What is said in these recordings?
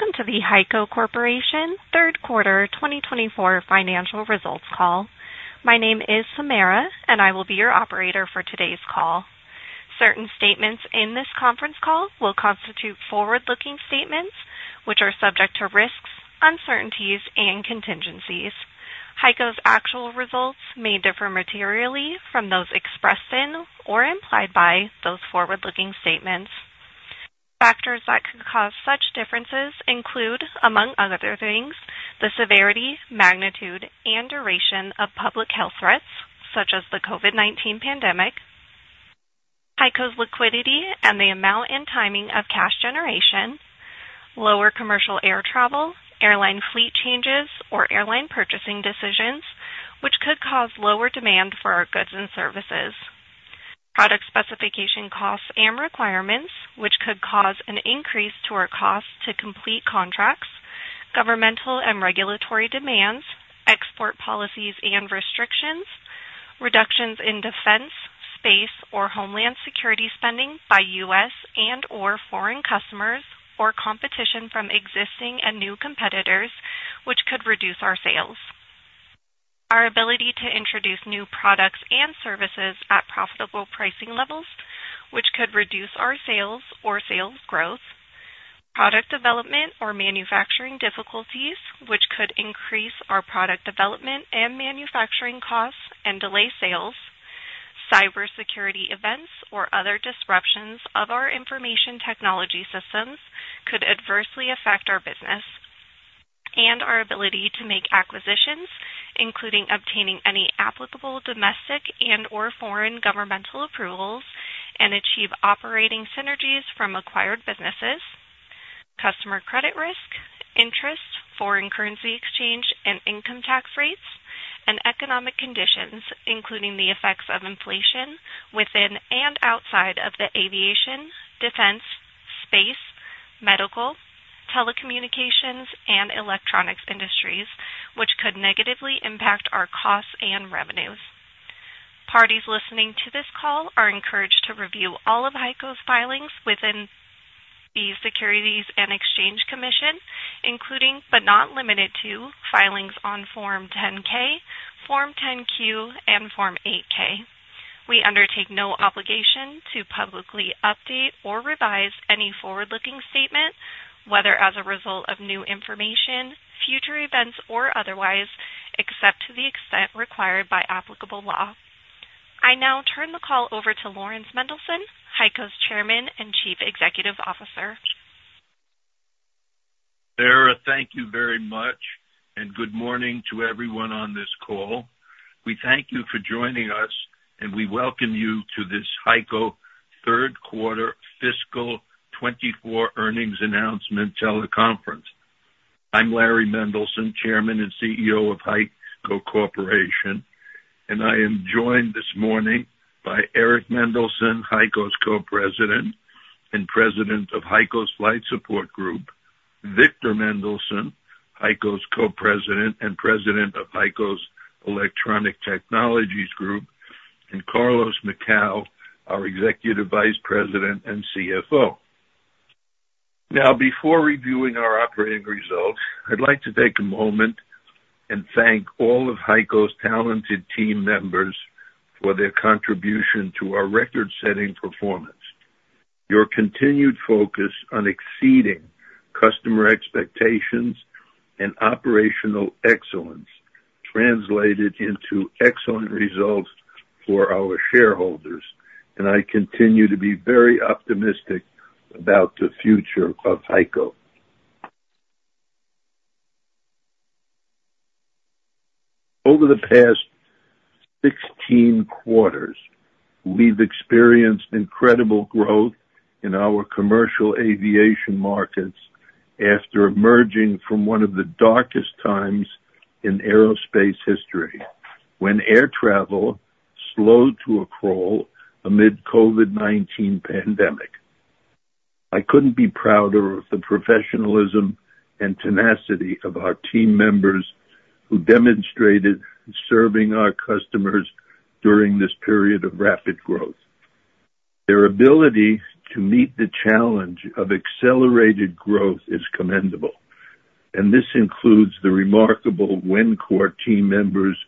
Welcome to the HEICO Corporation Q3 2024 financial results call. My name is Samara, and I will be your operator for today's call. Certain statements in this conference call will constitute forward-looking statements, which are subject to risks, uncertainties, and contingencies. HEICO's actual results may differ materially from those expressed in or implied by those forward-looking statements. Factors that could cause such differences include, among other things, the severity, magnitude, and duration of public health threats, such as the COVID-19 pandemic. HEICO's liquidity and the amount and timing of cash generation. Lower commercial air travel, airline fleet changes, or airline purchasing decisions, which could cause lower demand for our goods and services. Product specification costs and requirements, which could cause an increase to our costs to complete contracts. Governmental and regulatory demands, export policies and restrictions, reductions in defense, space, or homeland security spending by U.S. and/or foreign customers, or competition from existing and new competitors, which could reduce our sales. Our ability to introduce new products and services at profitable pricing levels, which could reduce our sales or sales growth, product development or manufacturing difficulties, which could increase our product development and manufacturing costs and delay sales, cybersecurity events or other disruptions of our information technology systems could adversely affect our business, and our ability to make acquisitions, including obtaining any applicable domestic and/or foreign governmental approvals, and achieve operating synergies from acquired businesses, customer credit risk, interest, foreign currency exchange and income tax rates, and economic conditions, including the effects of inflation within and outside of the aviation, defense, space, medical, telecommunications, and electronics industries, which could negatively impact our costs and revenues. Parties listening to this call are encouraged to review all of HEICO's filings within the Securities and Exchange Commission, including, but not limited to, filings on Form 10-K, Form 10-Q, and Form 8-K. We undertake no obligation to publicly update or revise any forward-looking statement, whether as a result of new information, future events, or otherwise, except to the extent required by applicable law. I now turn the call over to Laurans Mendelson, HEICO's Chairman and Chief Executive Officer. Samara, thank you very much, and good morning to everyone on this call. We thank you for joining us, and we welcome you to this HEICO Q3 fiscal 2024 earnings announcement teleconference. I'm Larry Mendelson, Chairman and CEO of HEICO Corporation, and I am joined this morning by Eric Mendelson, HEICO's Co-President and President of HEICO's Flight Support Group, Victor Mendelson, HEICO's Co-President and President of HEICO's Electronic Technologies Group, and Carlos Macau, our Executive Vice President and CFO. Now, before reviewing our operating results, I'd like to take a moment and thank all of HEICO's talented team members for their contribution to our record-setting performance. Your continued focus on exceeding customer expectations and operational excellence translated into excellent results for our shareholders, and I continue to be very optimistic about the future of HEICO. Over the past 16 quarters, we've experienced incredible growth in our commercial aviation markets after emerging from one of the darkest times in aerospace history, when air travel slowed to a crawl amid COVID-19 pandemic. I couldn't be prouder of the professionalism and tenacity of our team members, who demonstrated serving our customers during this period of rapid growth. Their ability to meet the challenge of accelerated growth is commendable, and this includes the remarkable Wencor team members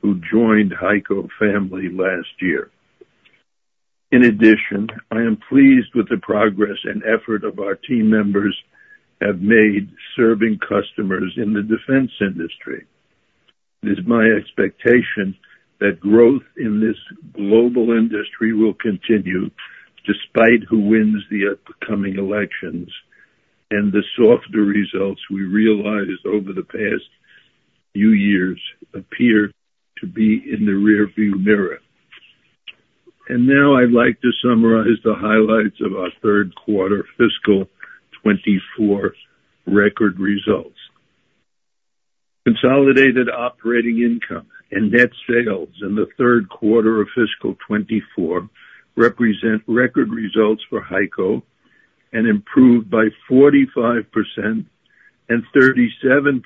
who joined HEICO family last year. In addition, I am pleased with the progress and effort of our team members have made serving customers in the defense industry. It is my expectation that growth in this global industry will continue despite who wins the upcoming elections, and the softer results we realized over the past few years appear to be in the rearview mirror. And now I'd like to summarize the highlights of our Q3 fiscal 2024 record results. Consolidated operating income and net sales in Q3 of fiscal 2024 represent record results for HEICO and improved by 45% and 37%,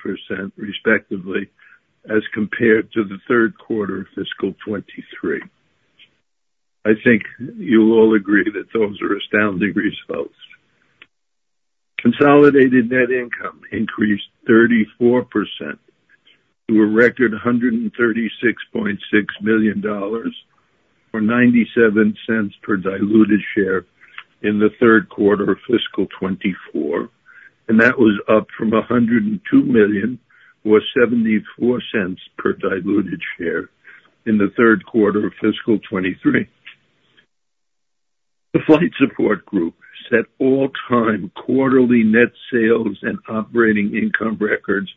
respectively, as compared to Q3 of fiscal '23. I think you'll all agree that those are astounding results. Consolidated net income increased 34% to a record $136.6 million, or $0.97 per diluted share in Q3 of fiscal 2024, and that was up from $102 million, or $0.74 per diluted share in Q3 of fiscal '23. The Flight Support Group set all-time quarterly net sales and operating income records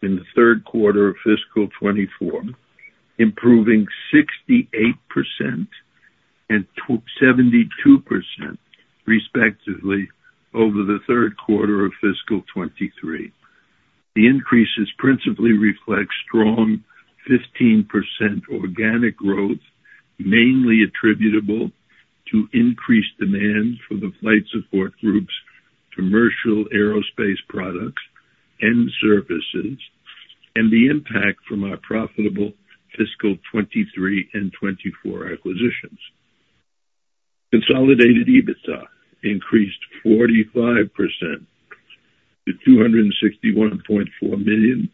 in Q3 of fiscal 2024, improving 68% and 72% respectively, over Q3 of fiscal '23. The increases principally reflect strong 15% organic growth, mainly attributable to increased demand for the Flight Support Group's commercial aerospace products and services, and the impact from our profitable fiscal 2023 and 2024 acquisitions. Consolidated EBITDA increased 45% to $261.4 million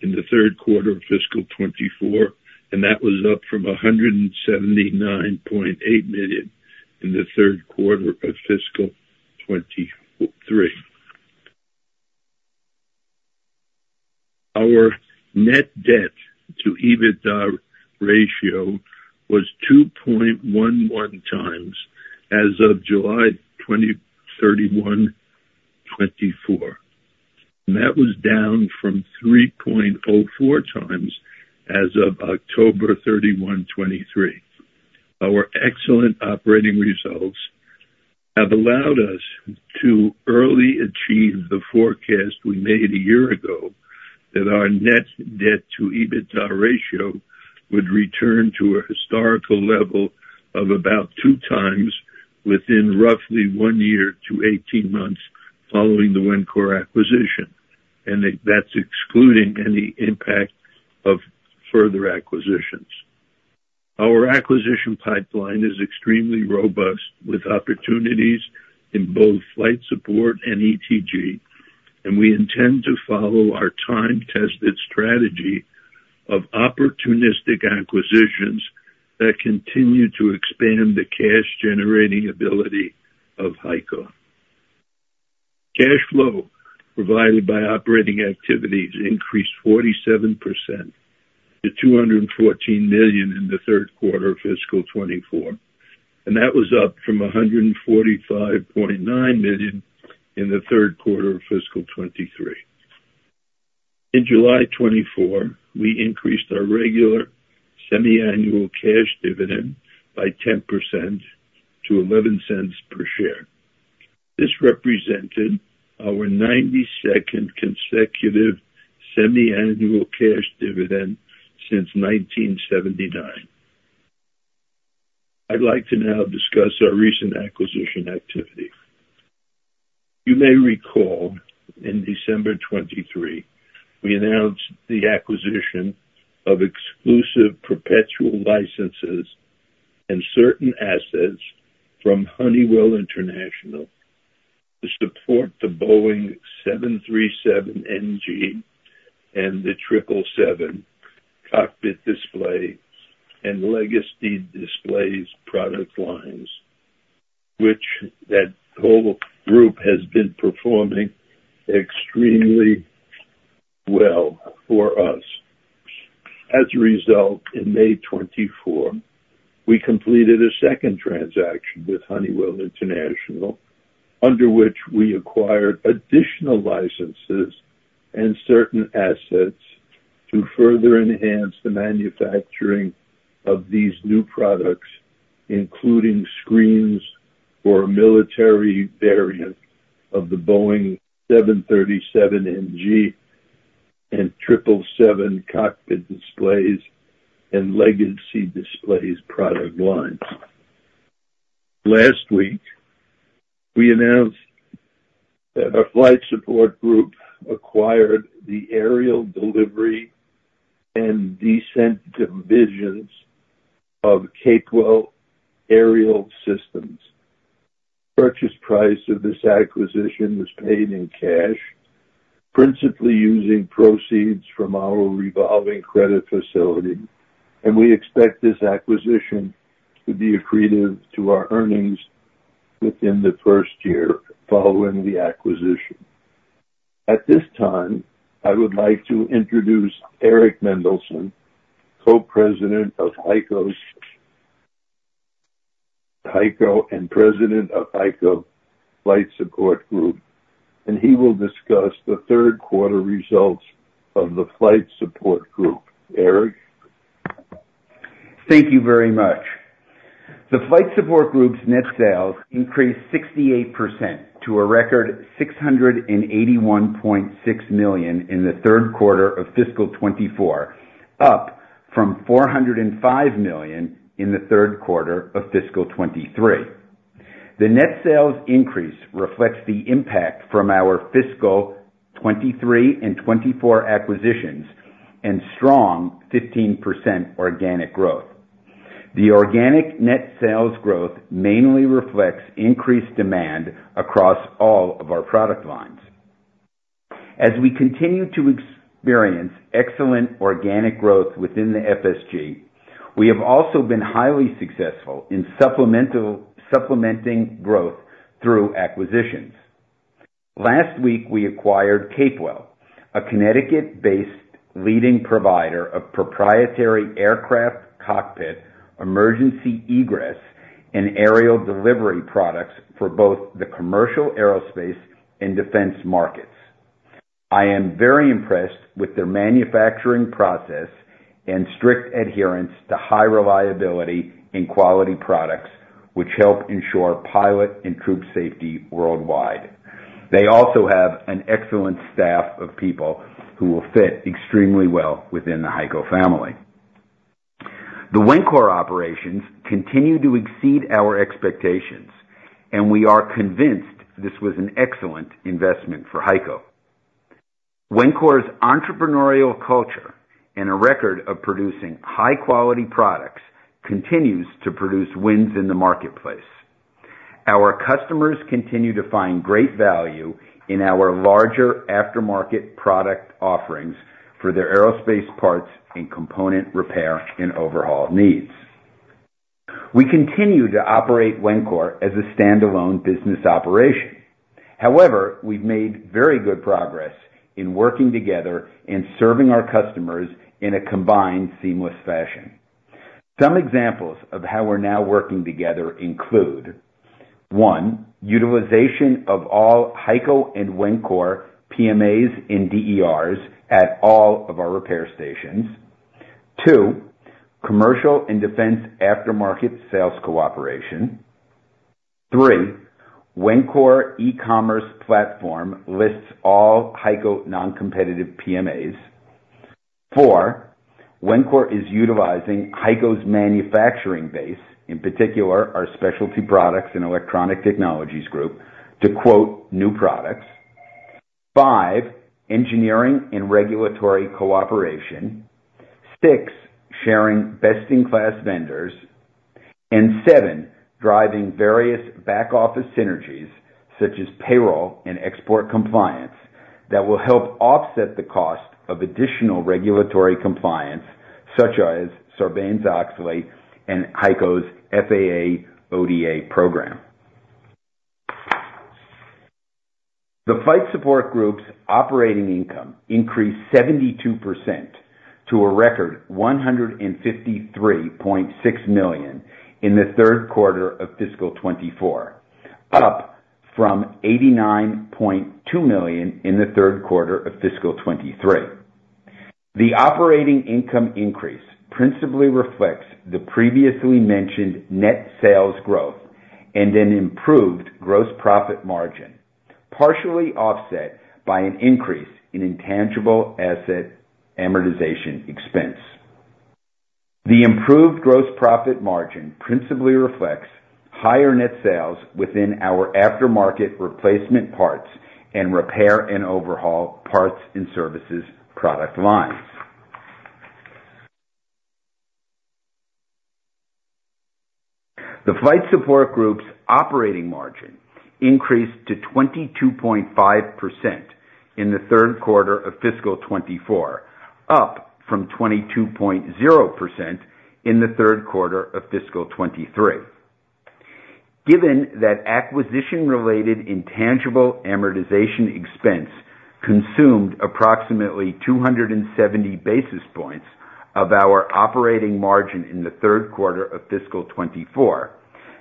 in Q3 of fiscal 2024, and that was up from $179.8 million in Q3 of fiscal 2023. Our net debt to EBITDA ratio was 2.11x as of July 31, 2024, and that was down from 3.04x as of October 31, 2023. Our excellent operating results have allowed us to early achieve the forecast we made a year ago that our net debt to EBITDA ratio would return to a historical level of about two times within roughly one year to 18 months following the Wencor acquisition, and that, that's excluding any impact of further acquisitions. Our acquisition pipeline is extremely robust, with opportunities in both Flight Support and ETG, and we intend to follow our time-tested strategy of opportunistic acquisitions that continue to expand the cash-generating ability of HEICO. Cash flow provided by operating activities increased 47% to $214 million in Q3 of fiscal 2024, and that was up from $145.9 million in Q3 of fiscal 2023. In July 2024, we increased our regular semiannual cash dividend by 10% to $0.11 per share. This represented our 92nd consecutive semiannual cash dividend since 1979. I'd like to now discuss our recent acquisition activity. You may recall, in December 2023, we announced the acquisition of exclusive perpetual licenses and certain assets from Honeywell International to support the Boeing 737 NG and the 777 cockpit display and legacy displays product lines, which that whole group has been performing extremely well for us. As a result, in May 2024, we completed a second transaction with Honeywell International, under which we acquired additional licenses and certain assets to further enhance the manufacturing of these new products, including screens for a military variant of the Boeing 737 NG and 777 cockpit displays and legacy displays product lines. Last week, we announced that our Flight Support group acquired the aerial delivery and descent divisions of Capewell Aerial Systems. Purchase price of this acquisition was paid in cash, principally using proceeds from our revolving credit facility, and we expect this acquisition to be accretive to our earnings within the first year following the acquisition. At this time, I would like to introduce Eric Mendelson, Co-President of HEICO and President of HEICO Flight Support Group, and he will discuss Q3 results of the Flight Support Group. Eric? Thank you very much. The Flight Support Group's net sales increased 68% to a record $681.6 million in Q3 of fiscal 2024, up from $405 million in Q3 of fiscal 2023. The net sales increase reflects the impact from our fiscal 2023 and 2024 acquisitions, and strong 15% organic growth. The organic net sales growth mainly reflects increased demand across all of our product lines. As we continue to experience excellent organic growth within the FSG, we have also been highly successful in supplementing growth through acquisitions. Last week, we acquired Capewell, a Connecticut-based leading provider of proprietary aircraft cockpit, emergency egress, and aerial delivery products for both the commercial, aerospace, and defense markets. I am very impressed with their manufacturing process and strict adherence to high reliability and quality products, which help ensure pilot and troop safety worldwide. They also have an excellent staff of people who will fit extremely well within the HEICO family. The Wencor operations continue to exceed our expectations, and we are convinced this was an excellent investment for HEICO. Wencor's entrepreneurial culture and a record of producing high-quality products continues to produce wins in the marketplace. Our customers continue to find great value in our larger aftermarket product offerings for their aerospace parts and component repair and overhaul needs. We continue to operate Wencor as a standalone business operation. However, we've made very good progress in working together and serving our customers in a combined, seamless fashion. Some examples of how we're now working together include: one, utilization of all HEICO and Wencor PMAs and DERs at all of our repair stations. Two, commercial and defense aftermarket sales cooperation. Three, Wencor e-commerce platform lists all HEICO non-competitive PMAs. Four, Wencor is utilizing HEICO's manufacturing base, in particular, our Specialty Products and Electronic Technologies Group, to quote new products. Five, engineering and regulatory cooperation. Six, sharing best-in-class vendors. And seven, driving various back-office synergies, such as payroll and export compliance, that will help offset the cost of additional regulatory compliance, such as Sarbanes-Oxley and HEICO's FAA ODA program. The Flight Support Group's operating income increased 72% to a record $153.6 million in Q3 of fiscal 2024, up from $89.2 million in Q3 of fiscal 2023. The operating income increase principally reflects the previously mentioned net sales growth and an improved gross profit margin, partially offset by an increase in intangible asset amortization expense. The improved gross profit margin principally reflects higher net sales within our aftermarket replacement parts and repair and overhaul parts and services product lines. The Flight Support Group's operating margin increased to 22.5% in Q3 of fiscal 2024, up from 22.0% in Q3 of fiscal 2023. Given that acquisition-related intangible amortization expense consumed approximately 270 basis points of our operating margin in Q3 of fiscal 2024,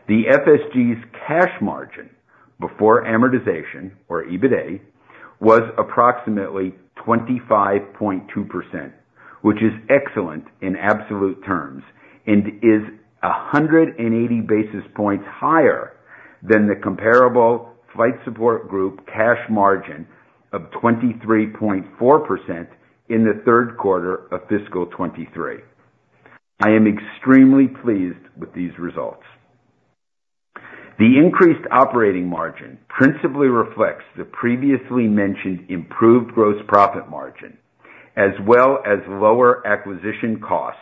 the FSG's cash margin, before amortization, or EBITA, was approximately 25.2%, which is excellent in absolute terms, and is 180 basis points higher than the comparable Flight Support Group cash margin of 23.4% in Q3 of fiscal 2023. I am extremely pleased with these results. The increased operating margin principally reflects the previously mentioned improved gross profit margin, as well as lower acquisition costs,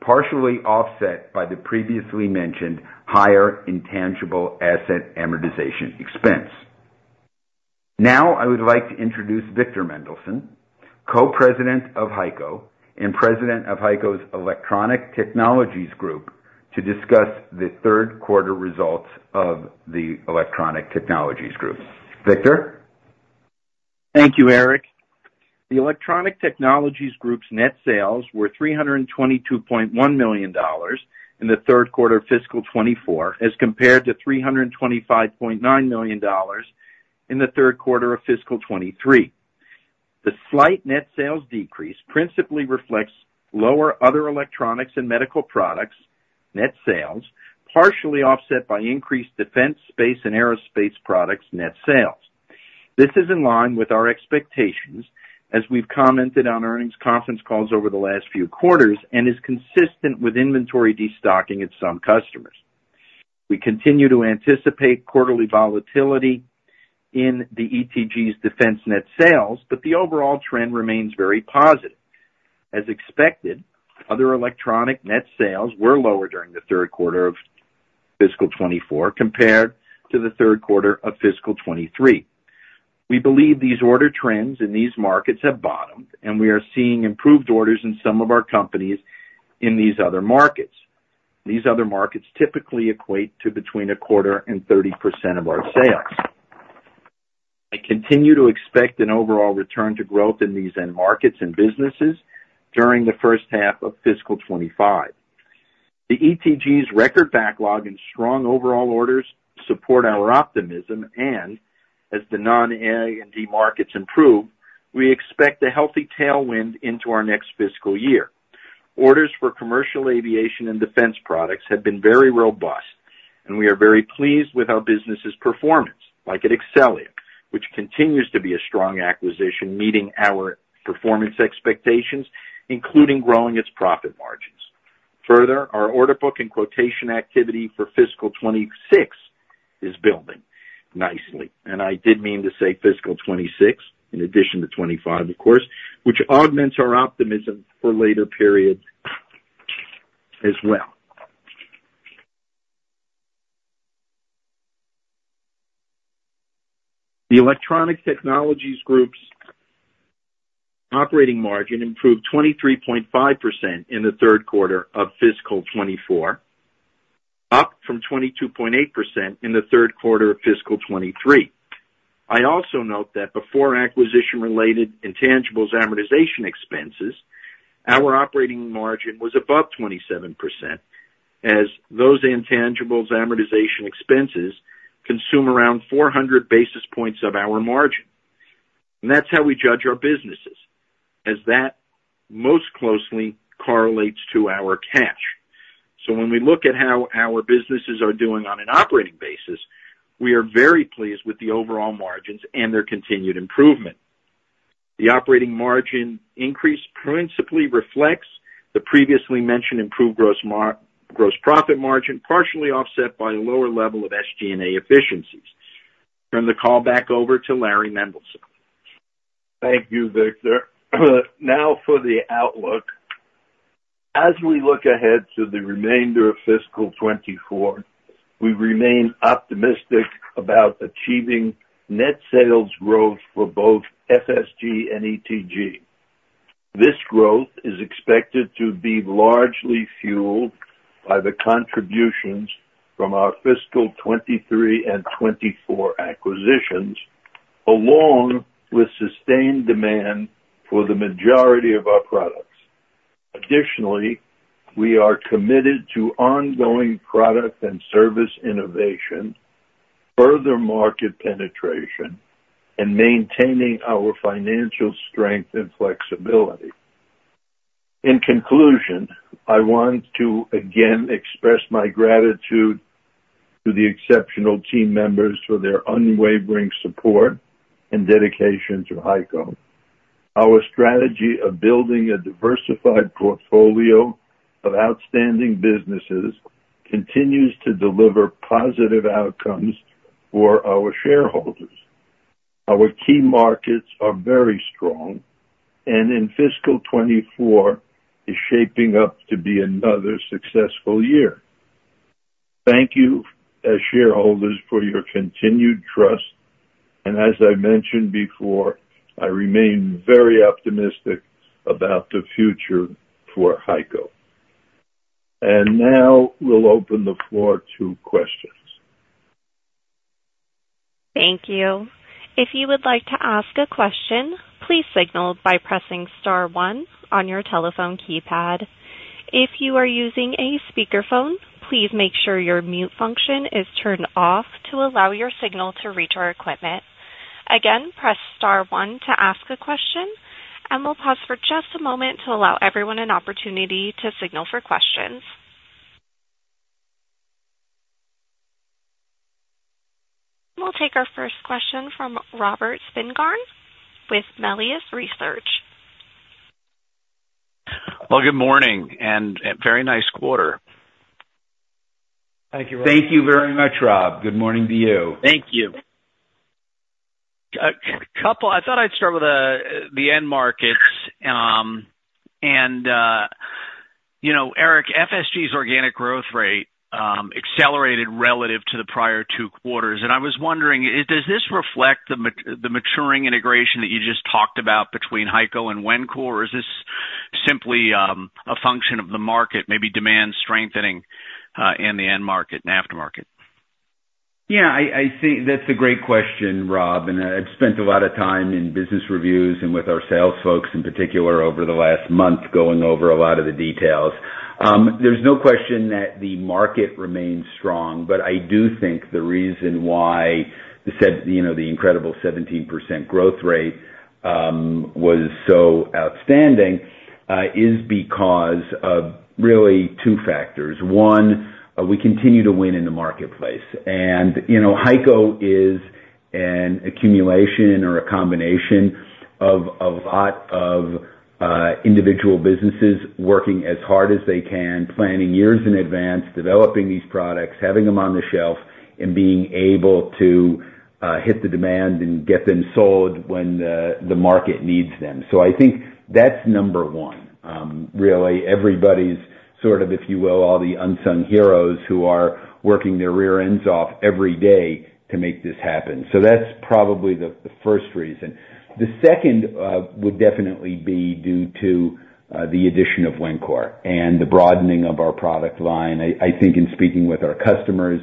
partially offset by the previously mentioned higher intangible asset amortization expense. Now, I would like to introduce Victor Mendelson, Co-President of HEICO and President of HEICO's Electronic Technologies Group, to discuss Q3 results of the Electronic Technologies Group. Victor? Thank you, Eric. The Electronic Technologies Group's net sales were $322.1 million in Q3 of fiscal 2024, as compared to $325.9 million in Q3 of fiscal 2023. The slight net sales decrease principally reflects lower other electronics and medical products net sales, partially offset by increased defense, space, and aerospace products net sales. This is in line with our expectations, as we've commented on earnings conference calls over the last few quarters, and is consistent with inventory destocking at some customers. We continue to anticipate quarterly volatility in the ETG's defense net sales, but the overall trend remains very positive. As expected, other electronic net sales were lower during Q3 of fiscal 2024 compared to Q3 of fiscal 2023. We believe these order trends in these markets have bottomed, and we are seeing improved orders in some of our companies in these other markets. These other markets typically equate to between a quarter and 30% of our sales. I continue to expect an overall return to growth in these end markets and businesses during H1 of fiscal 2025. The ETG's record backlog and strong overall orders support our optimism, and as the non-A&D markets improve, we expect a healthy tailwind into our next fiscal year. Orders for commercial aviation and defense products have been very robust, and we are very pleased with our business's performance, like at Exxelia, which continues to be a strong acquisition, meeting our performance expectations, including growing its profit margins. Further, our order book and quotation activity for fiscal 2026 is building nicely, and I did mean to say fiscal 2026, in addition to 2025, of course, which augments our optimism for later periods as well. The Electronic Technologies Group's operating margin improved 23.5% in Q3 of fiscal 2024, up from 22.8% in Q3 of fiscal 2023. I also note that before acquisition-related intangibles amortization expenses, our operating margin was above 27%, as those intangibles amortization expenses consume around 400 basis points of our margin. And that's how we judge our businesses, as that most closely correlates to our cash. So when we look at how our businesses are doing on an operating basis, we are very pleased with the overall margins and their continued improvement. The operating margin increase principally reflects the previously mentioned improved gross profit margin, partially offset by lower level of SG&A efficiencies. Turn the call back over to Larry Mendelson. Thank you, Victor. Now for the outlook. As we look ahead to the remainder of fiscal 2024, we remain optimistic about achieving net sales growth for both FSG and ETG. This growth is expected to be largely fueled by the contributions from our fiscal 2023 and 2024 acquisitions, along with sustained demand for the majority of our products. Additionally, we are committed to ongoing product and service innovation, further market penetration, and maintaining our financial strength and flexibility. In conclusion, I want to again express my gratitude to the exceptional team members for their unwavering support and dedication to HEICO. Our strategy of building a diversified portfolio of outstanding businesses continues to deliver positive outcomes for our shareholders. Our key markets are very strong, and fiscal 2024 is shaping up to be another successful year. Thank you as shareholders for your continued trust, and as I mentioned before, I remain very optimistic about the future for HEICO. And now we'll open the floor to questions. Thank you. If you would like to ask a question, please signal by pressing star one on your telephone keypad. If you are using a speakerphone, please make sure your mute function is turned off to allow your signal to reach our equipment. Again, press star one to ask a question, and we'll pause for just a moment to allow everyone an opportunity to signal for questions. We'll take our first question from Robert Spingarn with Melius Research. Good morning, and a very nice quarter. Thank you. Thank you very much, Rob. Good morning to you. Thank you. I thought I'd start with the end markets. You know, Eric, FSG's organic growth rate accelerated relative to the prior two quarters, and I was wondering, does this reflect the maturing integration that you just talked about between HEICO and Wencor, or is this simply a function of the market, maybe demand strengthening in the end market and aftermarket? Yeah, I think that's a great question, Rob, and I've spent a lot of time in business reviews and with our sales folks in particular over the last month, going over a lot of the details. There's no question that the market remains strong, but I do think the reason why the, you know, the incredible 17% growth rate was so outstanding, is because of really two factors. One, we continue to win in the marketplace. And, you know, HEICO is an accumulation or a combination of a lot of, individual businesses working as hard as they can, planning years in advance, developing these products, having them on the shelf, and being able to, hit the demand and get them sold when the market needs them. So I think that's number one. Really, everybody's sort of, if you will, all the unsung heroes who are working their rear ends off every day to make this happen. So that's probably the first reason. The second, would definitely be due to, the addition of Wencor and the broadening of our product line. I think in speaking with our customers,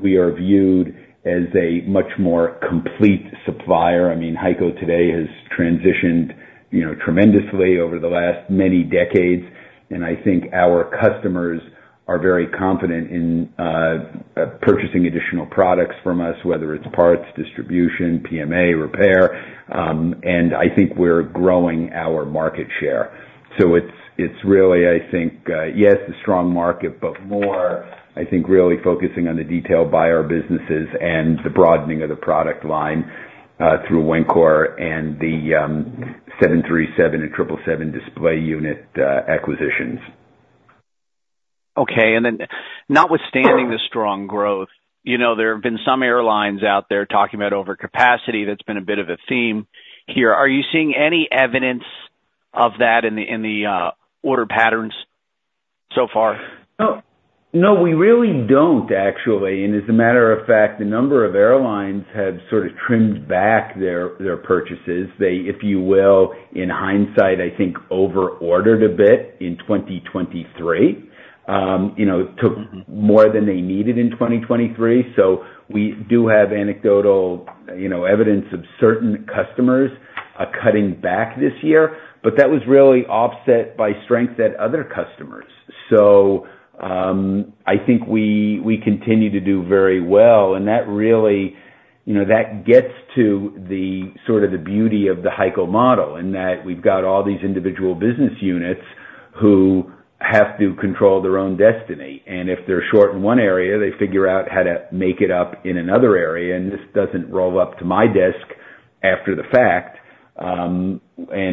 we are viewed as a much more complete supplier. I mean, HEICO today has transitioned, you know, tremendously over the last many decades, and I think our customers are very confident in purchasing additional products from us, whether it's parts, distribution, PMA, repair, and I think we're growing our market share. So it's, it's really, I think, yes, the strong market, but more, I think, really focusing on the detail by our businesses and the broadening of the product line through Wencor and the 737 and 777 display unit acquisitions. Okay, and then notwithstanding the strong growth, you know, there have been some airlines out there talking about overcapacity. That's been a bit of a theme here. Are you seeing any evidence of that in the order patterns so far? No, no, we really don't, actually. And as a matter of fact, a number of airlines have sort of trimmed back their purchases. They, if you will, in hindsight, I think, over-ordered a bit in 2023. You know, took more than they needed in 2023. So we do have anecdotal, you know, evidence of certain customers cutting back this year, but that was really offset by strength at other customers. I think we continue to do very well, and that really, you know, gets to sort of the beauty of the HEICO model, in that we've got all these individual business units who have to control their own destiny, and if they're short in one area, they figure out how to make it up in another area, and this doesn't roll up to my desk after the fact, and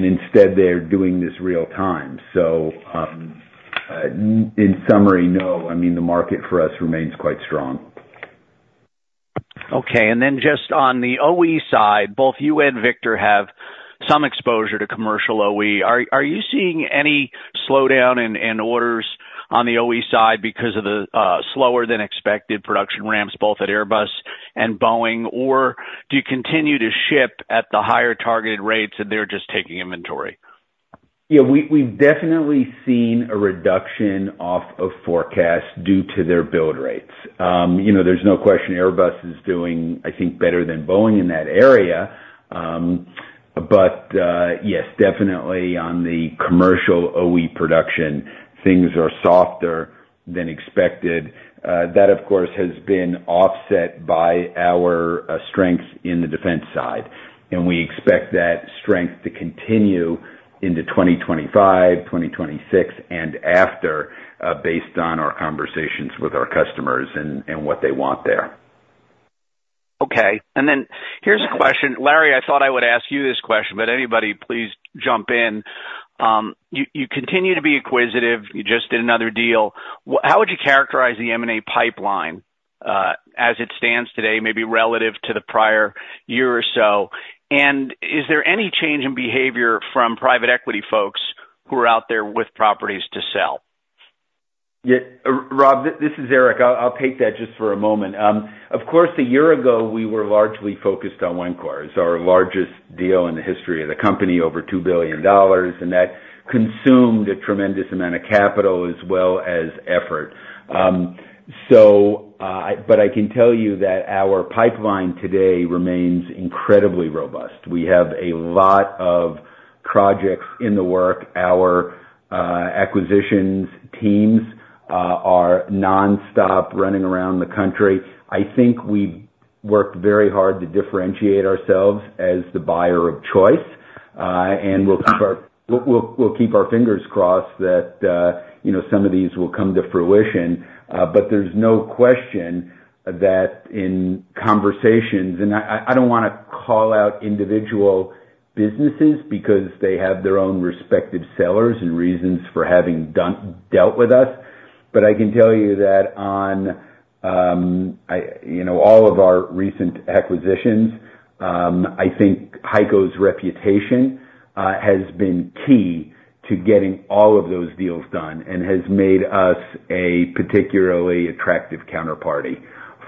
instead, they're doing this real time. In summary, no. I mean, the market for us remains quite strong. Okay, and then just on the OE side, both you and Victor have some exposure to commercial OE. Are you seeing any slowdown in orders on the OE side because of the slower than expected production ramps, both at Airbus and Boeing? Or do you continue to ship at the higher targeted rates, and they're just taking inventory? Yeah, we've definitely seen a reduction off of forecast due to their build rates. You know, there's no question Airbus is doing, I think, better than Boeing in that area. But yes, definitely on the commercial OE production, things are softer than expected. That, of course, has been offset by our strength in the defense side, and we expect that strength to continue into 2025, 2026, and after, based on our conversations with our customers and what they want there. Okay, and then here's a question. Larry, I thought I would ask you this question, but anybody, please jump in. You continue to be acquisitive. You just did another deal. How would you characterize the M&A pipeline, as it stands today, maybe relative to the prior year or so? And is there any change in behavior from private equity folks who are out there with properties to sell? Yeah. Rob, this is Eric. I'll take that just for a moment. Of course, a year ago, we were largely focused on Wencor. It's our largest deal in the history of the company, over $2 billion, and that consumed a tremendous amount of capital as well as effort. But I can tell you that our pipeline today remains incredibly robust. We have a lot of projects in the works. Our acquisitions teams are nonstop running around the country. I think we've worked very hard to differentiate ourselves as the buyer of choice, and we'll keep our fingers crossed that, you know, some of these will come to fruition. But there's no question that in conversations and I don't wanna call out individual businesses because they have their own respective sellers and reasons for having dealt with us, but I can tell you that on, you know, all of our recent acquisitions, I think HEICO's reputation has been key to getting all of those deals done and has made us a particularly attractive counterparty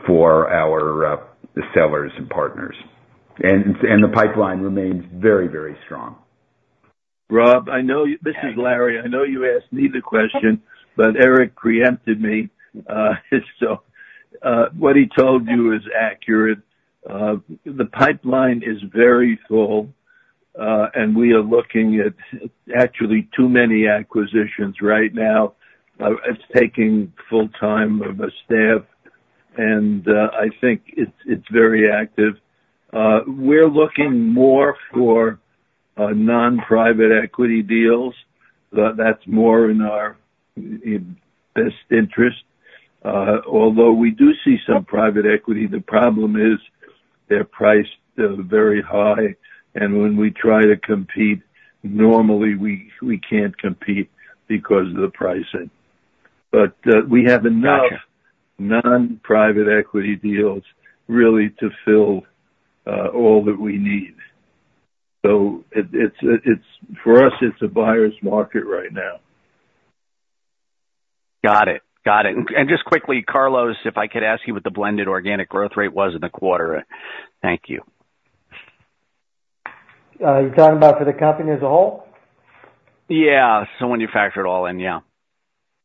for our, the sellers and partners. And the pipeline remains very, very strong. Rob, I know. This is Larry. I know you asked me the question, but Eric preempted me, so what he told you is accurate. The pipeline is very full, and we are looking at actually too many acquisitions right now. It's taking full time of a staff and, I think it's very active. We're looking more for non-private equity deals, that's more in our best interest. Although we do see some private equity, the problem is their price, they're very high, and when we try to compete, normally we can't compete because of the pricing. But, we have enough non-private equity deals really to fill all that we need. So it's for us, it's a buyer's market right now. Got it. And just quickly, Carlos, if I could ask you what the blended organic growth rate was in the quarter? Thank you. You're talking about for the company as a whole? Yeah, so when you factor it all in, yeah.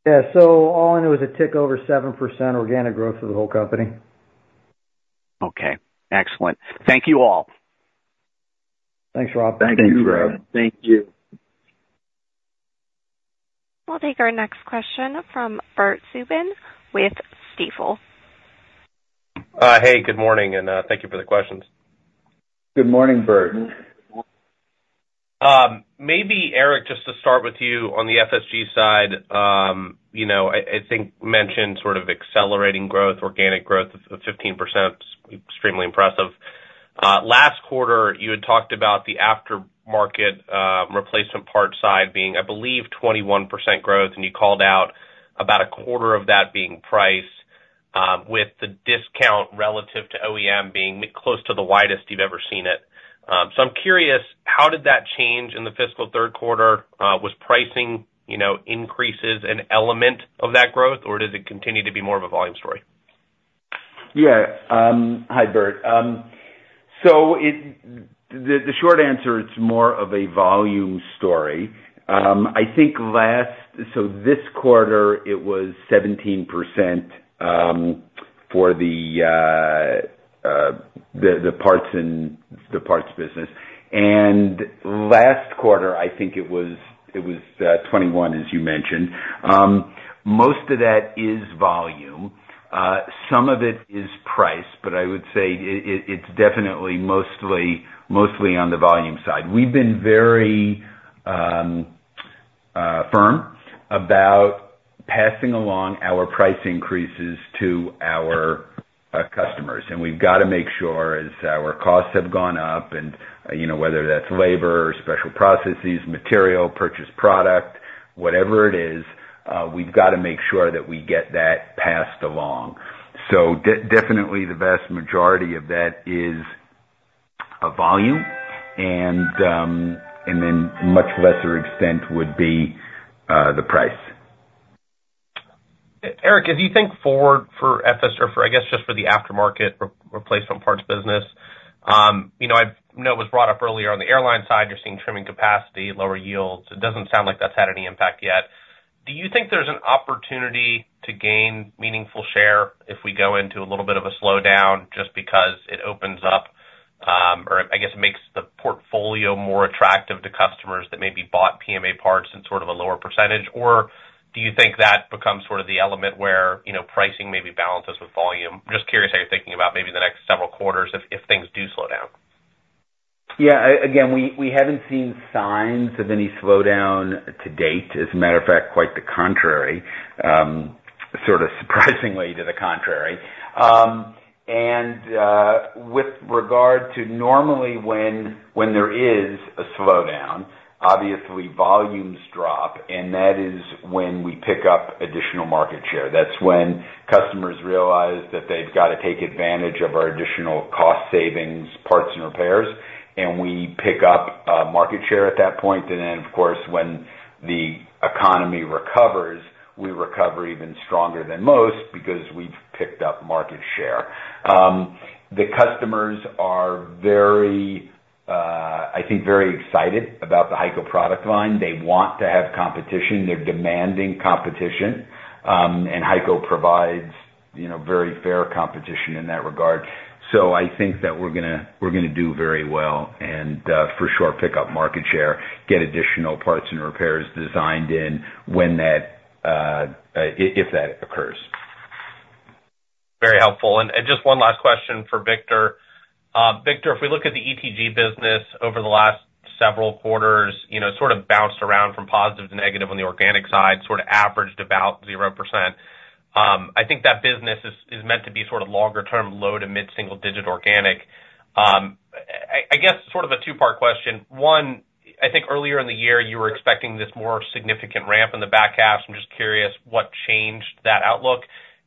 Yeah. So all in, it was a tick over 7% organic growth for the whole company. Okay. Excellent. Thank you, all. Thanks, Rob. Thank you, Rob. Thank you. We'll take our next question from Bert Subin with Stifel. Hey, good morning, and thank you for the questions. Good morning, Bert. Maybe, Eric, just to start with you on the FSG side, you know, I think mentioned sort of accelerating growth, organic growth of 15%, extremely impressive. Last quarter, you had talked about the after-market replacement parts side being, I believe, 21% growth, and you called out about a quarter of that being priced with the discount relative to OEM being close to the widest you've ever seen it. So I'm curious, how did that change in the fiscal Q3? Was pricing, you know, increases an element of that growth, or does it continue to be more of a volume story? Yeah. Hi, Bert. So the short answer, it's more of a volume story. I think. So this quarter, it was 17% for the parts business. And last quarter, I think it was 21, as you mentioned. Most of that is volume. Some of it is price, but I would say it's definitely mostly on the volume side. We've been very firm about passing along our price increases to our customers, and we've got to make sure as our costs have gone up, and you know, whether that's labor or special processes, material, purchase product, whatever it is, we've got to make sure that we get that passed along. So definitely the vast majority of that is a volume, and then much lesser extent would be the price. Eric, as you think forward for FS, or for, I guess, just for the aftermarket replacement parts business, you know, I know it was brought up earlier, on the airline side, you're seeing trimming capacity, lower yields. It doesn't sound like that's had any impact yet. Do you think there's an opportunity to gain meaningful share if we go into a little bit of a slowdown just because it opens up, or I guess, makes the portfolio more attractive to customers that maybe bought PMA parts in sort of a lower percentage? Or do you think that becomes sort of the element where, you know, pricing maybe balances with volume? I'm just curious how you're thinking about maybe the next several quarters if, if things do slow down. Yeah. Again, we haven't seen signs of any slowdown to date. As a matter of fact, quite the contrary, sort of surprisingly to the contrary. And with regard to normally when there is a slowdown, obviously volumes drop, and that is when we pick up additional market share. That's when customers realize that they've got to take advantage of our additional cost savings, parts and repairs, and we pick up market share at that point. And then, of course, when the economy recovers, we recover even stronger than most because we've picked up market share. The customers are very, I think, very excited about the HEICO product line. They want to have competition. They're demanding competition, and HEICO provides, you know, very fair competition in that regard. So, I think that we're gonna do very well, and for sure pick up market share, get additional parts and repairs designed in when that, if that occurs. Very helpful. And just one last question for Victor. Victor, if we look at the ETG business over the last several quarters, you know, sort of bounced around from positive to negative on the organic side, sort of averaged about 0%. I think that business is meant to be sort of longer term, low to mid-single digit organic. I guess sort of a two-part question. One, I think earlier in the year, you were expecting this more significant ramp in H2. I'm just curious, what changed that outlook?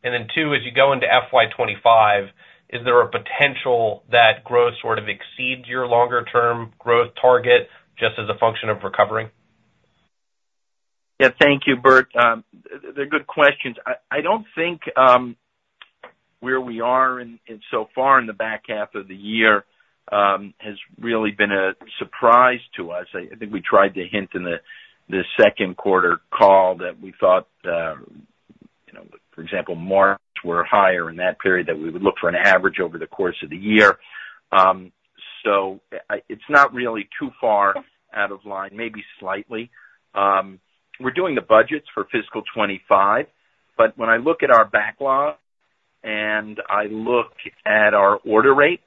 And then two, as you go into FY 2025, is there a potential that growth sort of exceeds your longer term growth target just as a function of recovering? Yeah. Thank you, Bert. They're good questions. I don't think where we are so far in H2 of the year has really been a surprise to us. I think we tried to hint in Q2 call that we thought, you know, for example, marks were higher in that period, that we would look for an average over the course of the year. So, it's not really too far out of line, maybe slightly. We're doing the budgets for fiscal 2025, but when I look at our backlog and I look at our order rate,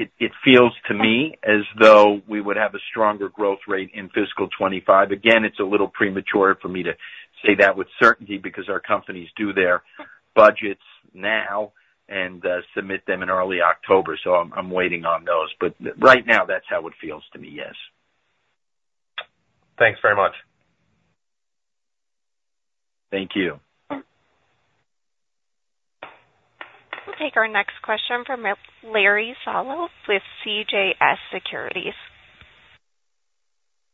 it feels to me as though we would have a stronger growth rate in fiscal 2025. Again, it's a little premature for me to say that with certainty, because our companies do their budgets now and submit them in early October. So I'm waiting on those. But right now, that's how it feels to me, yes. Thanks very much. Thank you. We'll take our next question from Larry Solow with CJS Securities.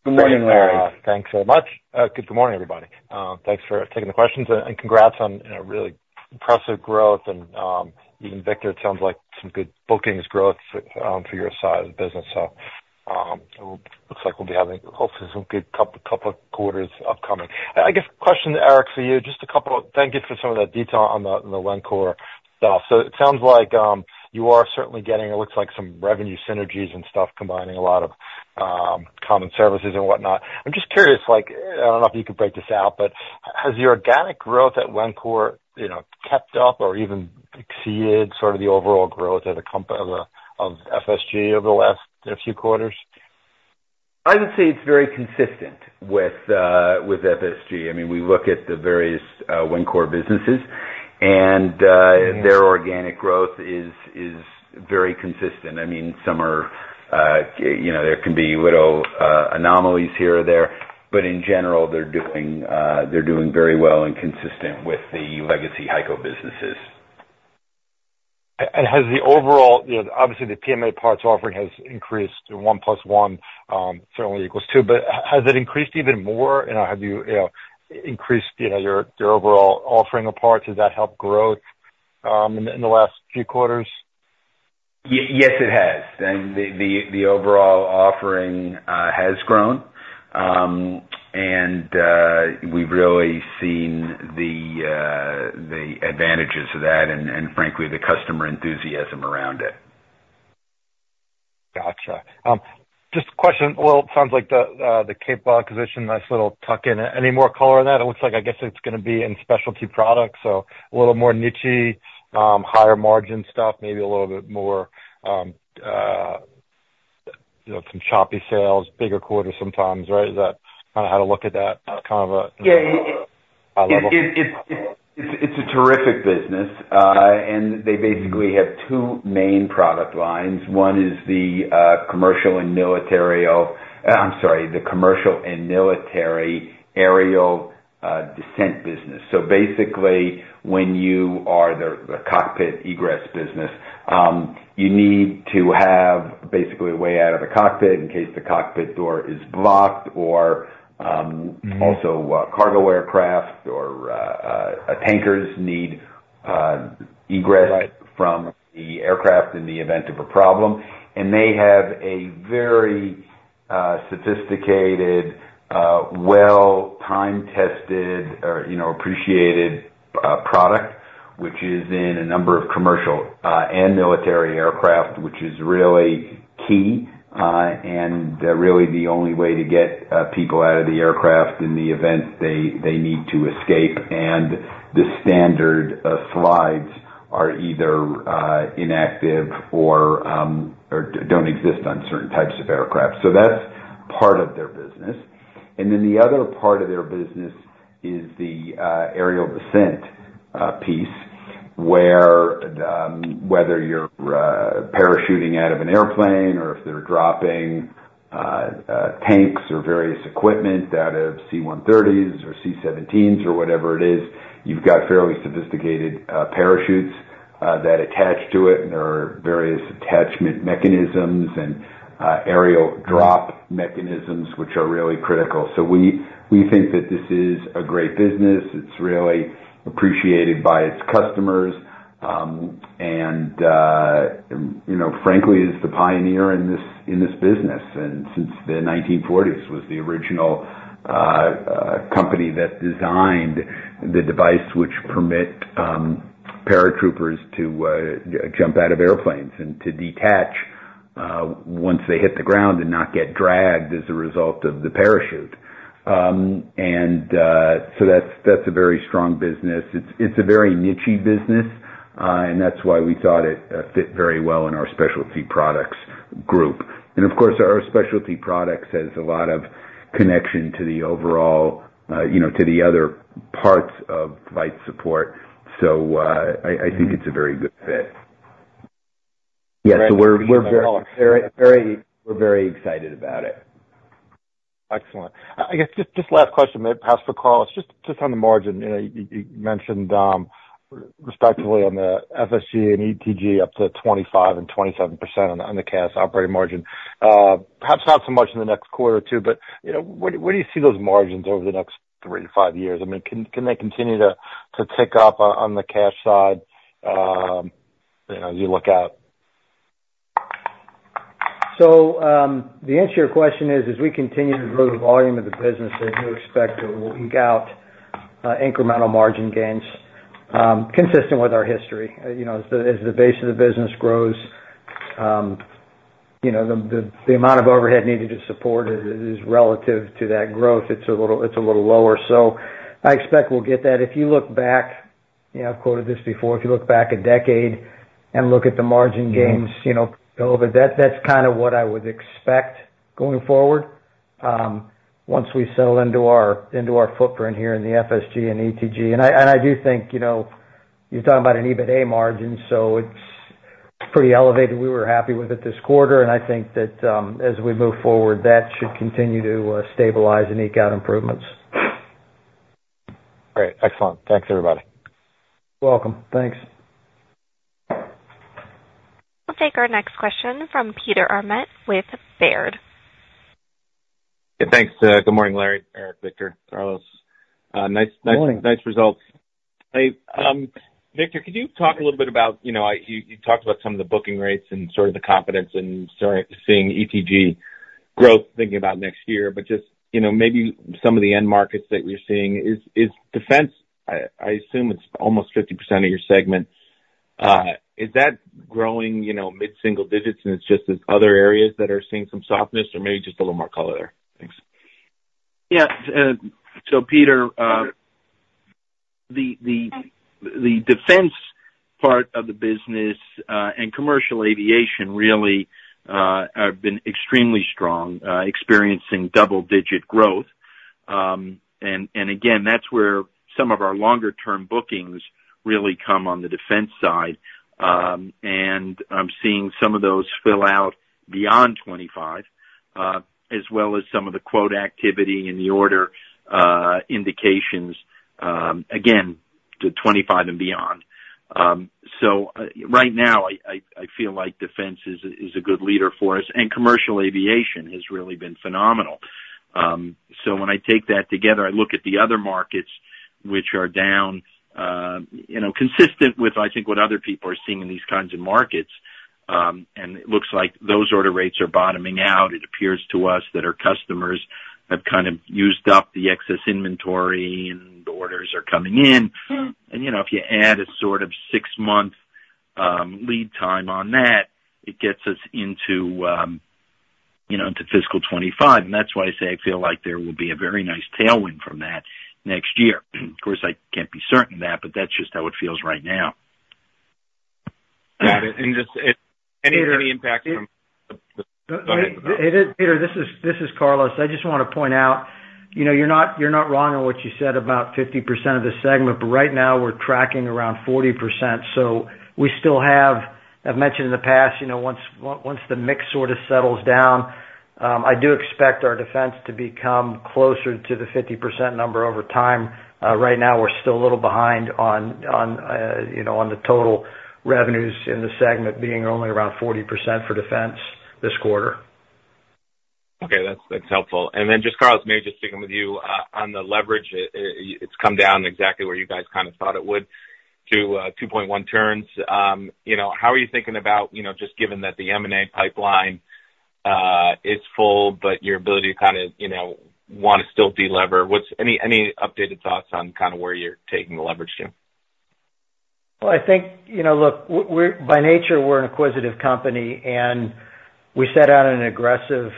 Good morning, Larry. Thanks so much. Good morning, everybody. Thanks for taking the questions, and congrats on a really impressive growth, and even Victor, it sounds like some good bookings growth for your side of the business. So, looks like we'll be having hopefully some good couple of quarters upcoming. I guess, question, Eric, for you. Just a couple of... Thank you for some of that detail on the Wencor stuff. So it sounds like you are certainly getting, it looks like some revenue synergies and stuff, combining a lot of common services and whatnot. I'm just curious, like, I don't know if you could break this out, but has the organic growth at Wencor, you know, kept up or even exceeded sort of the overall growth of FSG over the last few quarters? I would say it's very consistent with FSG. I mean, we look at the various Wencor businesses, and their organic growth is very consistent. I mean, some are, you know, there can be little anomalies here or there, but in general, they're doing very well and consistent with the legacy HEICO businesses. And has the overall, you know, obviously the PMA parts offering has increased to one plus one, certainly equals two, but has it increased even more? You know, have you, you know, increased, you know, your overall offering of parts? Has that helped growth in the last few quarters? Yes, it has. And the overall offering has grown. And we've really seen the advantages of that and frankly, the customer enthusiasm around it. Gotcha. Just question. Well, it sounds like the Capewell acquisition, nice little tuck in. Any more color on that? It looks like I guess it's gonna be in specialty products, so a little more nichey, higher margin stuff, maybe a little bit more, you know, some choppy sales, bigger quarters sometimes, right? Is that kind of how to look at that kind of a- Yeah. It's a terrific business. And they basically have two main product lines. One is the commercial and military aerial descent business. So basically, when you are the cockpit egress business, you need to have basically a way out of the cockpit in case the cockpit door is blocked or also cargo aircraft or tankers need egress from the aircraft in the event of a problem. And they have a very, sophisticated, well, time-tested or, you know, appreciated, product, which is in a number of commercial, and military aircraft, which is really key, and really the only way to get, people out of the aircraft in the event they need to escape. And the standard, slides are either, inactive or don't exist on certain types of aircraft. So that's part of their business. And then the other part of their business is the aerial descent piece, where whether you're parachuting out of an airplane or if they're dropping tanks or various equipment out of C-130s or C-17s or whatever it is, you've got fairly sophisticated parachutes that attach to it, and there are various attachment mechanisms and aerial drop mechanisms, which are really critical. So we think that this is a great business. It's really appreciated by its customers, and you know, frankly, is the pioneer in this business, and since the 1940s, was the original company that designed the device, which permit paratroopers to jump out of airplanes and to detach once they hit the ground and not get dragged as a result of the parachute. That's a very strong business. It's a very niche business, and that's why we thought it fit very well in our Specialty Products group. Of course, our specialty products has a lot of connection to the overall, you know, to the other parts of flight support. I think it's a very good fit. Yeah, so we're very excited about it. Excellent. I guess just last question, maybe pass the call. Just on the margin, you know, you mentioned, respectively on the FSG and ETG, up to 25% and 27% on the cash operating margin. Perhaps not so much in the next quarter or two, but, you know, where do you see those margins over the next three to five years? I mean, can they continue to tick up on the cash side, as you look out? So, the answer to your question is, as we continue to grow the volume of the business, that we expect that we'll eke out, incremental margin gains, consistent with our history. You know, as the base of the business grows, you know, the amount of overhead needed to support it is relative to that growth. It's a little lower, so I expect we'll get that. If you look back, you know, I've quoted this before: If you look back a decade and look at the margin gains- Mm-hmm. You know, over that, that's kind of what I would expect going forward, once we settle into our footprint here in the FSG and ETG. And I do think, you know, you're talking about an EBITA margin, so it's pretty elevated. We were happy with it this quarter, and I think that, as we move forward, that should continue to stabilize and eke out improvements. Great. Excellent. Thanks, everybody. Welcome. Thanks. We'll take our next question from Peter Arment with Baird. Thanks. Good morning, Larry, Eric, Victor, Carlos. Nice. Good morning. Nice results. Hey, Victor, could you talk a little bit about, you know, you talked about some of the booking rates and sort of the confidence and start seeing ETG growth, thinking about next year. But just, you know, maybe some of the end markets that you're seeing is defense. I assume it's almost 50% of your segment, is that growing, you know, mid-single digits, and just the other areas that are seeing some softness or maybe just a little more color there? Thanks. Yeah. So Peter, the defense part of the business and commercial aviation really have been extremely strong, experiencing double-digit growth. And again, that's where some of our longer term bookings really come on the defense side. And I'm seeing some of those fill out beyond 25, as well as some of the quote activity and the order indications, again, to 25 and beyond. So right now, I feel like defense is a good leader for us, and commercial aviation has really been phenomenal. So when I take that together, I look at the other markets which are down, you know, consistent with, I think, what other people are seeing in these kinds of markets. And it looks like those order rates are bottoming out. It appears to us that our customers have kind of used up the excess inventory, and the orders are coming in. And, you know, if you add a sort of six-month lead time on that, it gets us into, you know, into fiscal 2025. And that's why I say I feel like there will be a very nice tailwind from that next year. Of course, I can't be certain of that, but that's just how it feels right now. Got it. And just if any impact from- Peter- Go ahead. Peter, this is Carlos. I just want to point out, you know, you're not wrong on what you said about 50% of the segment, but right now, we're tracking around 40%. So we still have... I've mentioned in the past, you know, once the mix sort of settles down, I do expect our defense to become closer to the 50% number over time. Right now, we're still a little behind on, you know, on the total revenues in the segment, being only around 40% for defense this quarter. Okay, that's helpful. And then just Carlos, maybe just sticking with you on the leverage, it's come down exactly where you guys kind of thought it would to two point one turns. You know, how are you thinking about, you know, just given that the M&A pipeline is full, but your ability to kind of, you know, want to still delever. What's any updated thoughts on kind of where you're taking the leverage to? I think, you know, look, we're by nature, we're an inquisitive company, and we set out an aggressive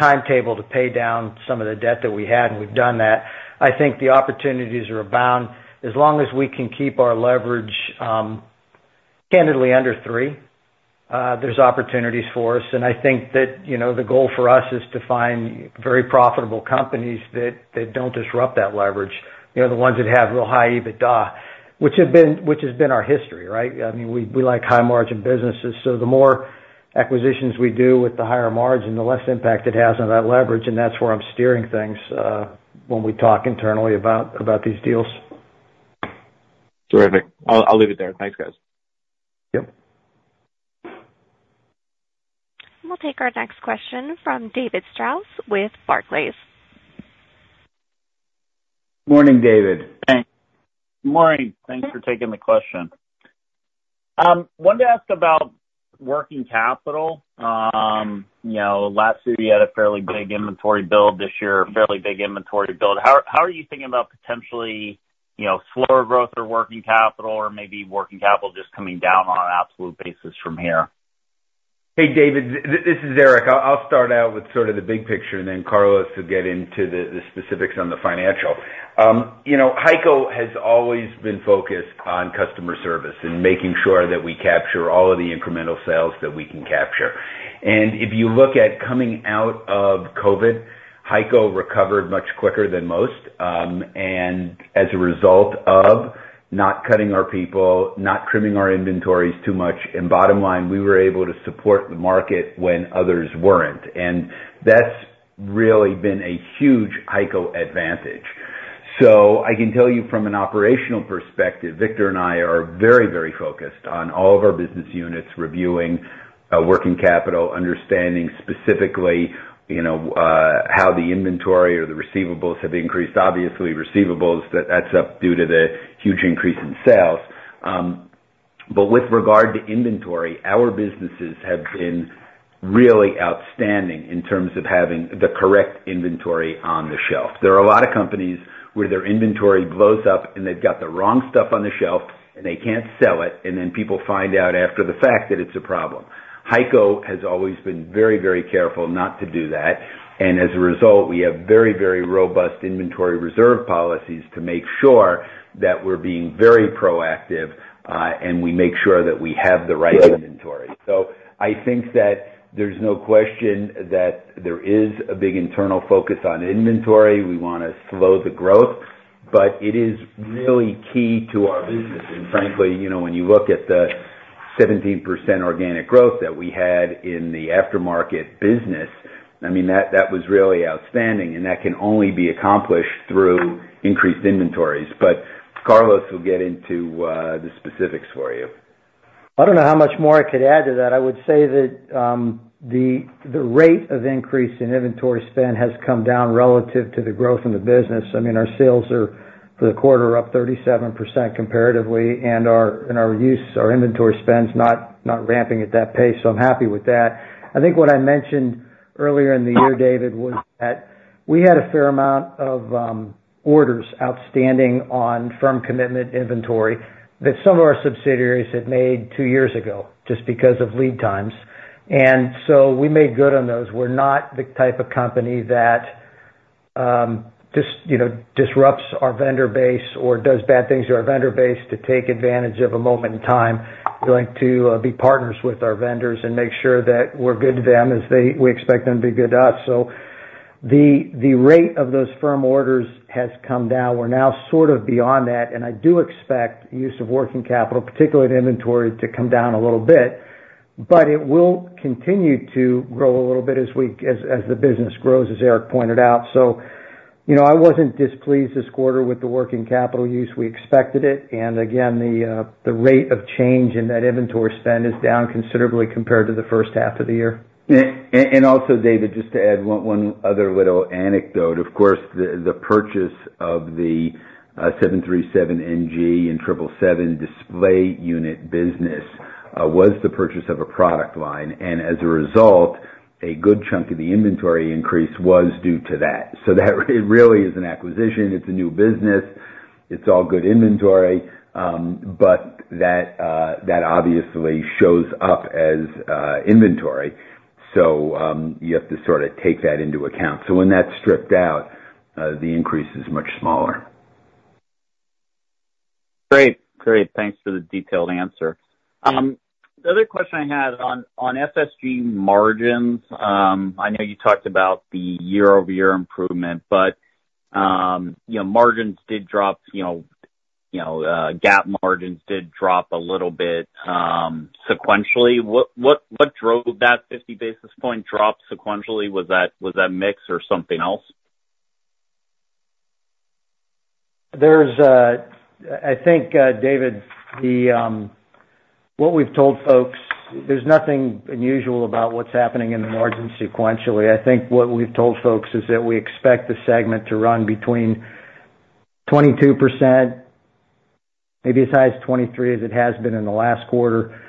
timetable to pay down some of the debt that we had, and we've done that. I think the opportunities are abound. As long as we can keep our leverage, candidly under three, there's opportunities for us. And I think that, you know, the goal for us is to find very profitable companies that don't disrupt that leverage. You know, the ones that have real high EBITDA, which have been, which has been our history, right? I mean, we like high-margin businesses, so the more acquisitions we do with the higher margin, the less impact it has on that leverage, and that's where I'm steering things when we talk internally about these deals. Terrific. I'll leave it there. Thanks, guys. Yep. We'll take our next question from David Strauss with Barclays. Morning, David. Thanks. Good morning. Thanks for taking the question. Wanted to ask about working capital. You know, last year you had a fairly big inventory build. This year, a fairly big inventory build. How are you thinking about potentially, you know, slower growth or working capital or maybe working capital just coming down on an absolute basis from here? Hey, David, this is Eric. I'll start out with sort of the big picture, and then Carlos will get into the specifics on the financial. You know, HEICO has always been focused on customer service and making sure that we capture all of the incremental sales that we can capture. And if you look at coming out of COVID, HEICO recovered much quicker than most, and as a result of not cutting our people, not trimming our inventories too much, and bottom line, we were able to support the market when others weren't. And that's really been a huge HEICO advantage. So I can tell you from an operational perspective, Victor and I are very, very focused on all of our business units reviewing working capital, understanding specifically, you know, how the inventory or the receivables have increased. Obviously, receivables, that's up due to the huge increase in sales. But with regard to inventory, our businesses have been really outstanding in terms of having the correct inventory on the shelf. There are a lot of companies where their inventory blows up, and they've got the wrong stuff on the shelf, and they can't sell it, and then people find out after the fact that it's a problem. HEICO has always been very, very careful not to do that, and as a result, we have very, very robust inventory reserve policies to make sure that we're being very proactive, and we make sure that we have the right inventory. So I think that there's no question that there is a big internal focus on inventory. We wanna slow the growth, but it is really key to our business. Frankly, you know, when you look at the 17% organic growth that we had in the aftermarket business, I mean, that was really outstanding, and that can only be accomplished through increased inventories. But Carlos will get into the specifics for you. I don't know how much more I could add to that. I would say that the rate of increase in inventory spend has come down relative to the growth in the business. I mean, our sales are, for the quarter, up 37% comparatively, and our use, our inventory expense not ramping at that pace, so I'm happy with that. I think what I mentioned earlier in the year, David, was that we had a fair amount of orders outstanding on firm commitment inventory that some of our subsidiaries had made two years ago, just because of lead times, and so we made good on those. We're not the type of company that just, you know, disrupts our vendor base or does bad things to our vendor base to take advantage of a moment in time. We like to be partners with our vendors and make sure that we're good to them as they, we expect them to be good to us. So the rate of those firm orders has come down. We're now sort of beyond that, and I do expect use of working capital, particularly in inventory, to come down a little bit, but it will continue to grow a little bit as the business grows, as Eric pointed out. So, you know, I wasn't displeased this quarter with the working capital use. We expected it, and again, the rate of change in that inventory spend is down considerably compared to H1 of the year. And also, David, just to add one other little anecdote. Of course, the purchase of the 737 NG and 777 display unit business was the purchase of a product line, and as a result, a good chunk of the inventory increase was due to that. So that really is an acquisition. It's a new business. It's all good inventory, but that obviously shows up as inventory. So you have to sort of take that into account. So when that's stripped out, the increase is much smaller. Great. Great, thanks for the detailed answer. The other question I had on FSG margins, I know you talked about the year-over-year improvement, but you know, margins did drop, you know, GAAP margins did drop a little bit, sequentially. What drove that 50 basis point drop sequentially? Was that mix or something else? There's, I think, David, the what we've told folks, there's nothing unusual about what's happening in the margin sequentially. I think what we've told folks is that we expect the segment to run between 22%, maybe as high as 23%, as it has been in the last quarter.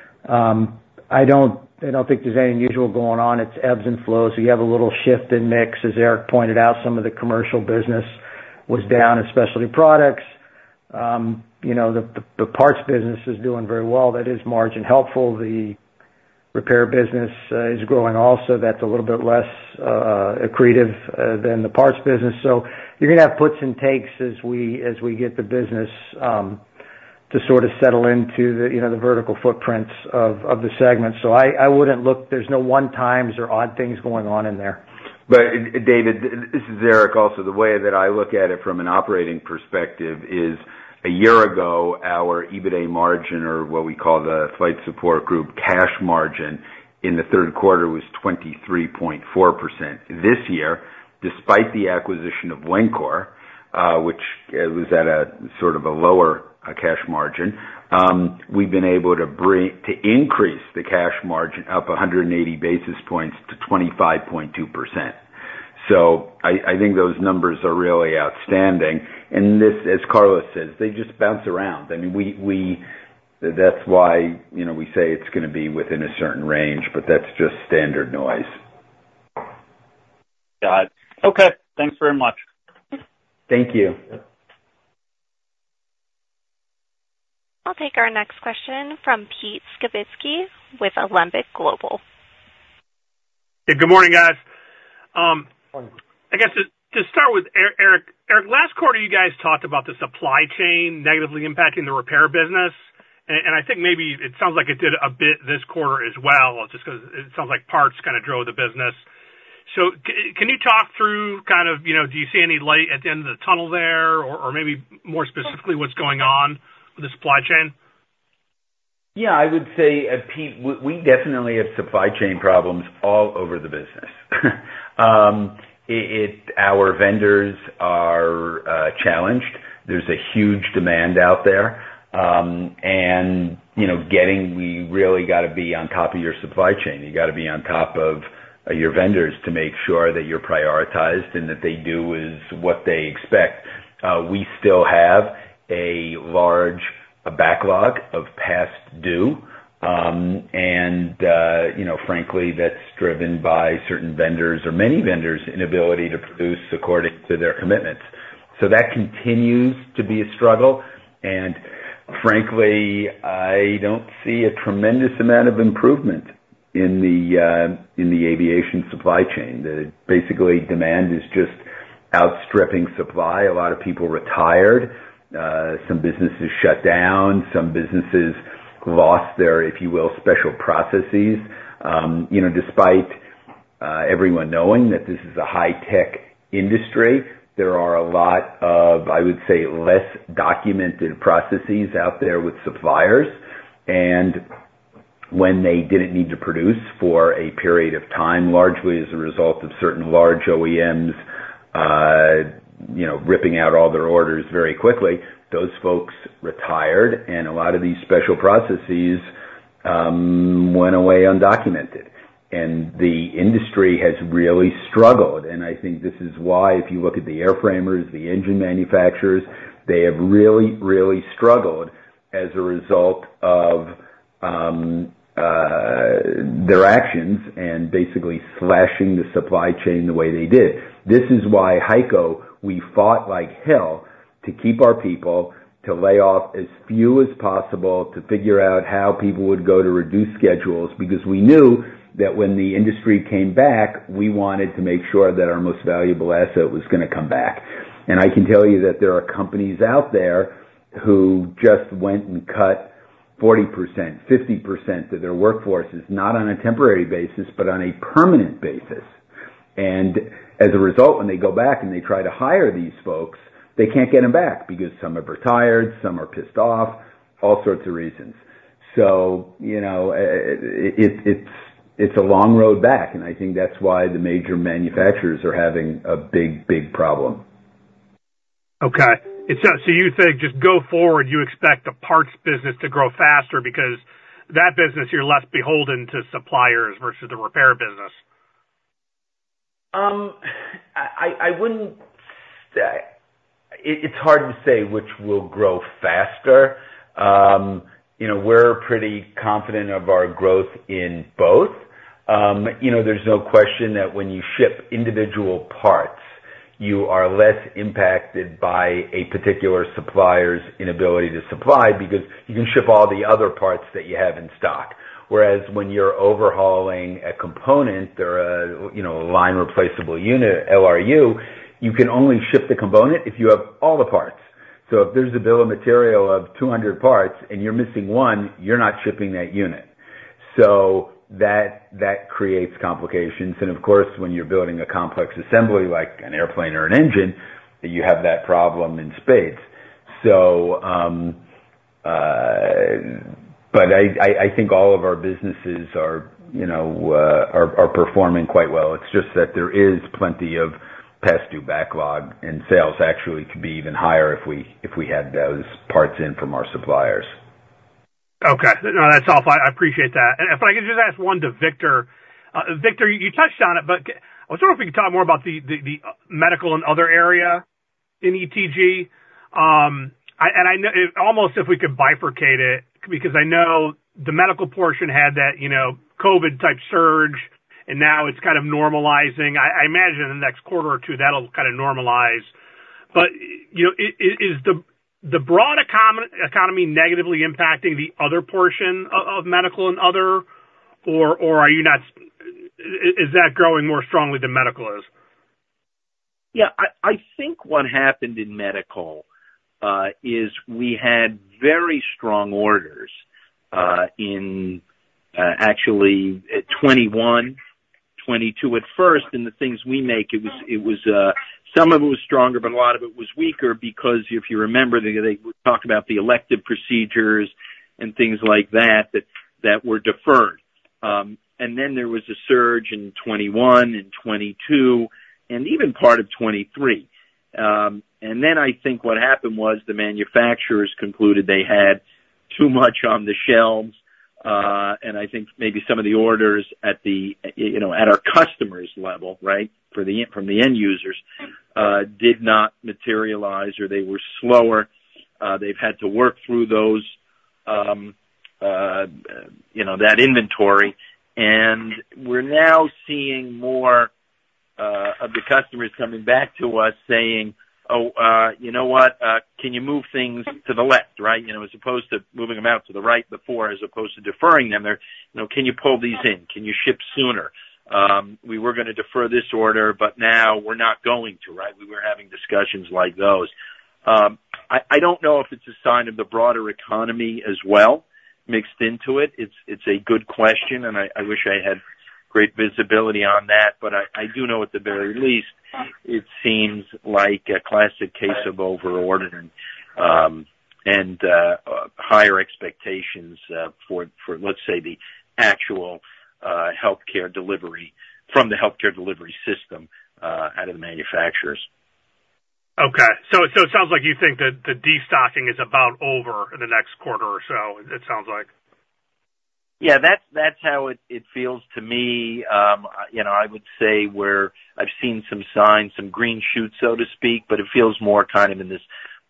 I don't think there's anything unusual going on. It ebbs and flows. So you have a little shift in mix, as Eric pointed out, some of the commercial business was down in specialty products. You know, the parts business is doing very well. That is margin helpful. The repair business is growing also. That's a little bit less accretive than the parts business. So you're gonna have puts and takes as we get the business to sort of settle into the, you know, the vertical footprints of the segment. So I wouldn't look. There's no one-timers or odd things going on in there. But David, this is Eric also. The way that I look at it from an operating perspective is, a year ago, our EBITA margin, or what we call the Flight Support Group cash margin, in Q3 was 23.4%. This year, despite the acquisition of Wencor, which was at a sort of a lower cash margin, we've been able to bring to increase the cash margin up 180 basis points to 25.2%. So I think those numbers are really outstanding. And this, as Carlos says, they just bounce around. I mean, we... That's why, you know, we say it's gonna be within a certain range, but that's just standard noise. Got it. Okay, thanks very much. Thank you. I'll take our next question from Pete Skibitski with Alembic Global. Yeah, good morning, guys. I guess to start with Eric. Eric, last quarter, you guys talked about the supply chain negatively impacting the repair business, and I think maybe it sounds like it did a bit this quarter as well, just 'cause it sounds like parts kind of drove the business. So can you talk through kind of, you know, do you see any light at the end of the tunnel there, or maybe more specifically, what's going on with the supply chain? Yeah, I would say, Pete, we definitely have supply chain problems all over the business. Our vendors are challenged. There's a huge demand out there, and, you know, we really gotta be on top of your supply chain. You gotta be on top of your vendors to make sure that you're prioritized and that they do as what they expect. We still have a large backlog of past due. And, you know, frankly, that's driven by certain vendors or many vendors' inability to produce according to their commitments. So that continues to be a struggle, and frankly, I don't see a tremendous amount of improvement in the aviation supply chain. Basically, demand is just outstripping supply. A lot of people retired, some businesses shut down, some businesses lost their, if you will, special processes. You know, despite everyone knowing that this is a high tech industry, there are a lot of, I would say, less documented processes out there with suppliers. And when they didn't need to produce for a period of time, largely as a result of certain large OEMs, you know, ripping out all their orders very quickly, those folks retired, and a lot of these special processes went away undocumented, and the industry has really struggled. And I think this is why, if you look at the airframers, the engine manufacturers, they have really, really struggled as a result of their actions and basically slashing the supply chain the way they did. This is why HEICO, we fought like hell to keep our people, to lay off as few as possible, to figure out how people would go to reduced schedules, because we knew that when the industry came back, we wanted to make sure that our most valuable asset was gonna come back. And I can tell you that there are companies out there who just went and cut 40%, 50% of their workforces, not on a temporary basis, but on a permanent basis. And as a result, when they go back and they try to hire these folks, they can't get them back because some have retired, some are pissed off, all sorts of reasons. So, you know, it's a long road back, and I think that's why the major manufacturers are having a big, big problem. Okay. It's just so you think, just go forward, you expect the parts business to grow faster because that business, you're less beholden to suppliers versus the repair business? I wouldn't say... It's hard to say which will grow faster. You know, we're pretty confident of our growth in both. You know, there's no question that when you ship individual parts, you are less impacted by a particular supplier's inability to supply, because you can ship all the other parts that you have in stock. Whereas when you're overhauling a component or, you know, a line replaceable unit, LRU, you can only ship the component if you have all the parts. So if there's a bill of material of 200 parts and you're missing one, you're not shipping that unit. So that creates complications. And of course, when you're building a complex assembly, like an airplane or an engine, you have that problem in spades. But I think all of our businesses are, you know, performing quite well. It's just that there is plenty of past due backlog, and sales actually could be even higher if we had those parts in from our suppliers. Okay. No, that's all fine. I appreciate that. And if I could just ask one to Victor. Victor, you touched on it, but I was wondering if you could talk more about the medical and other area in ETG. And I know almost if we could bifurcate it, because I know the medical portion had that, you know, COVID-type surge, and now it's kind of normalizing. I imagine in the next quarter or two, that'll kind of normalize. But, you know, is the broad economy negatively impacting the other portion of medical and other, or are you not... Is that growing more strongly than medical is? Yeah, I think what happened in medical is we had very strong orders, actually, in 2021, 2022. At first, in the things we make, it was some of it was stronger, but a lot of it was weaker, because if you remember, they would talk about the elective procedures and things like that that were deferred. And then there was a surge in 2021 and 2022, and even part of 2023. And then I think what happened was the manufacturers concluded they had too much on the shelves. And I think maybe some of the orders at the you know, at our customers' level, right, for the from the end users did not materialize or they were slower. They've had to work through those you know, that inventory. And we're now seeing more of the customers coming back to us, saying, Oh, you know what? Can you move things to the left? Right? You know, as opposed to moving them out to the right before, as opposed to deferring them, they're, you know, Can you pull these in? Can you ship sooner? We were gonna defer this order, but now we're not going to, right? We were having discussions like those. I don't know if it's a sign of the broader economy as well, mixed into it. It's a good question, and I wish I had great visibility on that, but I do know at the very least, it seems like a classic case of over-ordering, and higher expectations for, let's say, the actual healthcare delivery from the healthcare delivery system out of the manufacturers. Okay. So, it sounds like you think that the destocking is about over in the next quarter or so, it sounds like? Yeah, that's how it feels to me. You know, I would say I've seen some signs, some green shoots, so to speak, but it feels more kind of in this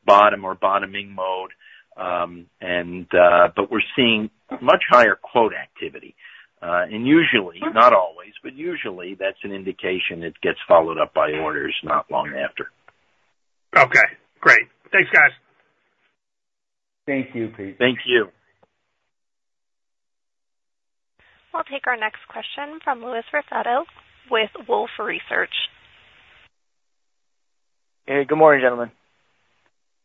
bottom or bottoming mode, but we're seeing much higher quote activity, and usually, not always, but usually, that's an indication it gets followed up by orders not long after. Okay, great. Thanks, guys. Thank you, Pete. Thank you. We'll take our next question from Louis Raffetto with Wolfe Research. Hey, good morning, gentlemen.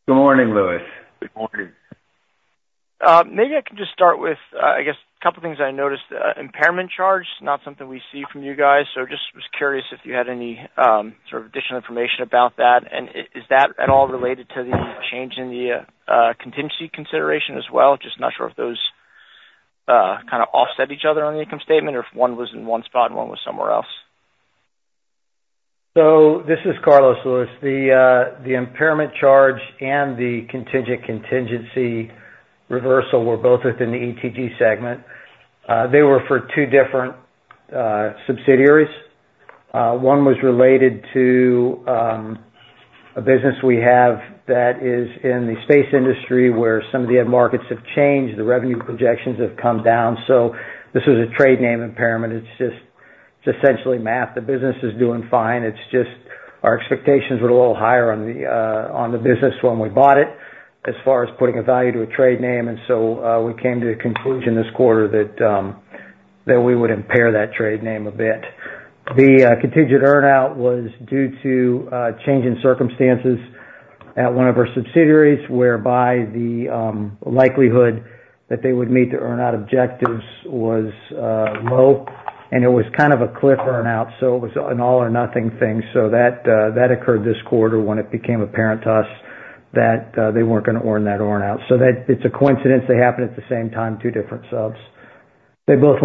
Good morning, Louis. Good morning. Maybe I can just start with, I guess a couple of things I noticed. Impairment charge, not something we see from you guys, so just was curious if you had any, sort of additional information about that. And is that at all related to the change in the, contingency consideration as well? Just not sure if those, kind of offset each other on the income statement or if one was in one spot and one was somewhere else. So this is Carlos, Louis. The impairment charge and the contingency reversal were both within the ETG segment. They were for two different subsidiaries. One was related to a business we have that is in the space industry, where some of the end markets have changed, the revenue projections have come down, so this is a trade name impairment. It's just, it's essentially math. The business is doing fine. It's just our expectations were a little higher on the business when we bought it, as far as putting a value to a trade name, and so we came to the conclusion this quarter that we would impair that trade name a bit. The contingent earn-out was due to change in circumstances at one of our subsidiaries, whereby the likelihood that they would meet the earn-out objectives was low, and it was kind of a cliff earn-out, so it was an all or nothing thing. So that occurred this quarter when it became apparent to us that they weren't gonna earn that earn-out. So that. It's a coincidence they happened at the same time, two different subs. They both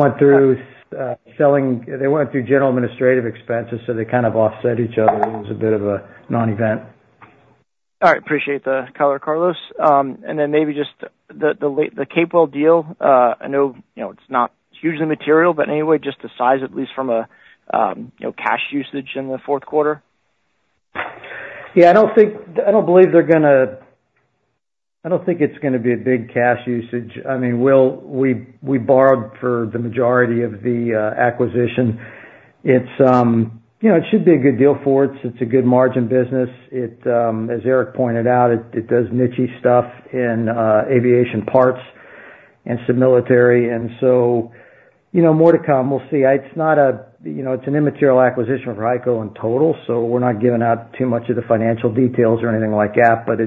went through general administrative expenses, so they kind of offset each other. It was a bit of a non-event. All right. Appreciate the color, Carlos. And then maybe just the Capewell deal. I know, you know, it's not hugely material, but anyway, just the size, at least from a you know, cash usage in Q3. Yeah, I don't think it's gonna be a big cash usage. I mean, we'll, we borrowed for the majority of the acquisition. It's, you know, it should be a good deal for us. It's a good margin business. It, as Eric pointed out, it does niche-y stuff in aviation parts and some military, and so, you know, more to come. We'll see. It's not a, you know, it's an immaterial acquisition for HEICO in total, so we're not giving out too much of the financial details or anything like that, but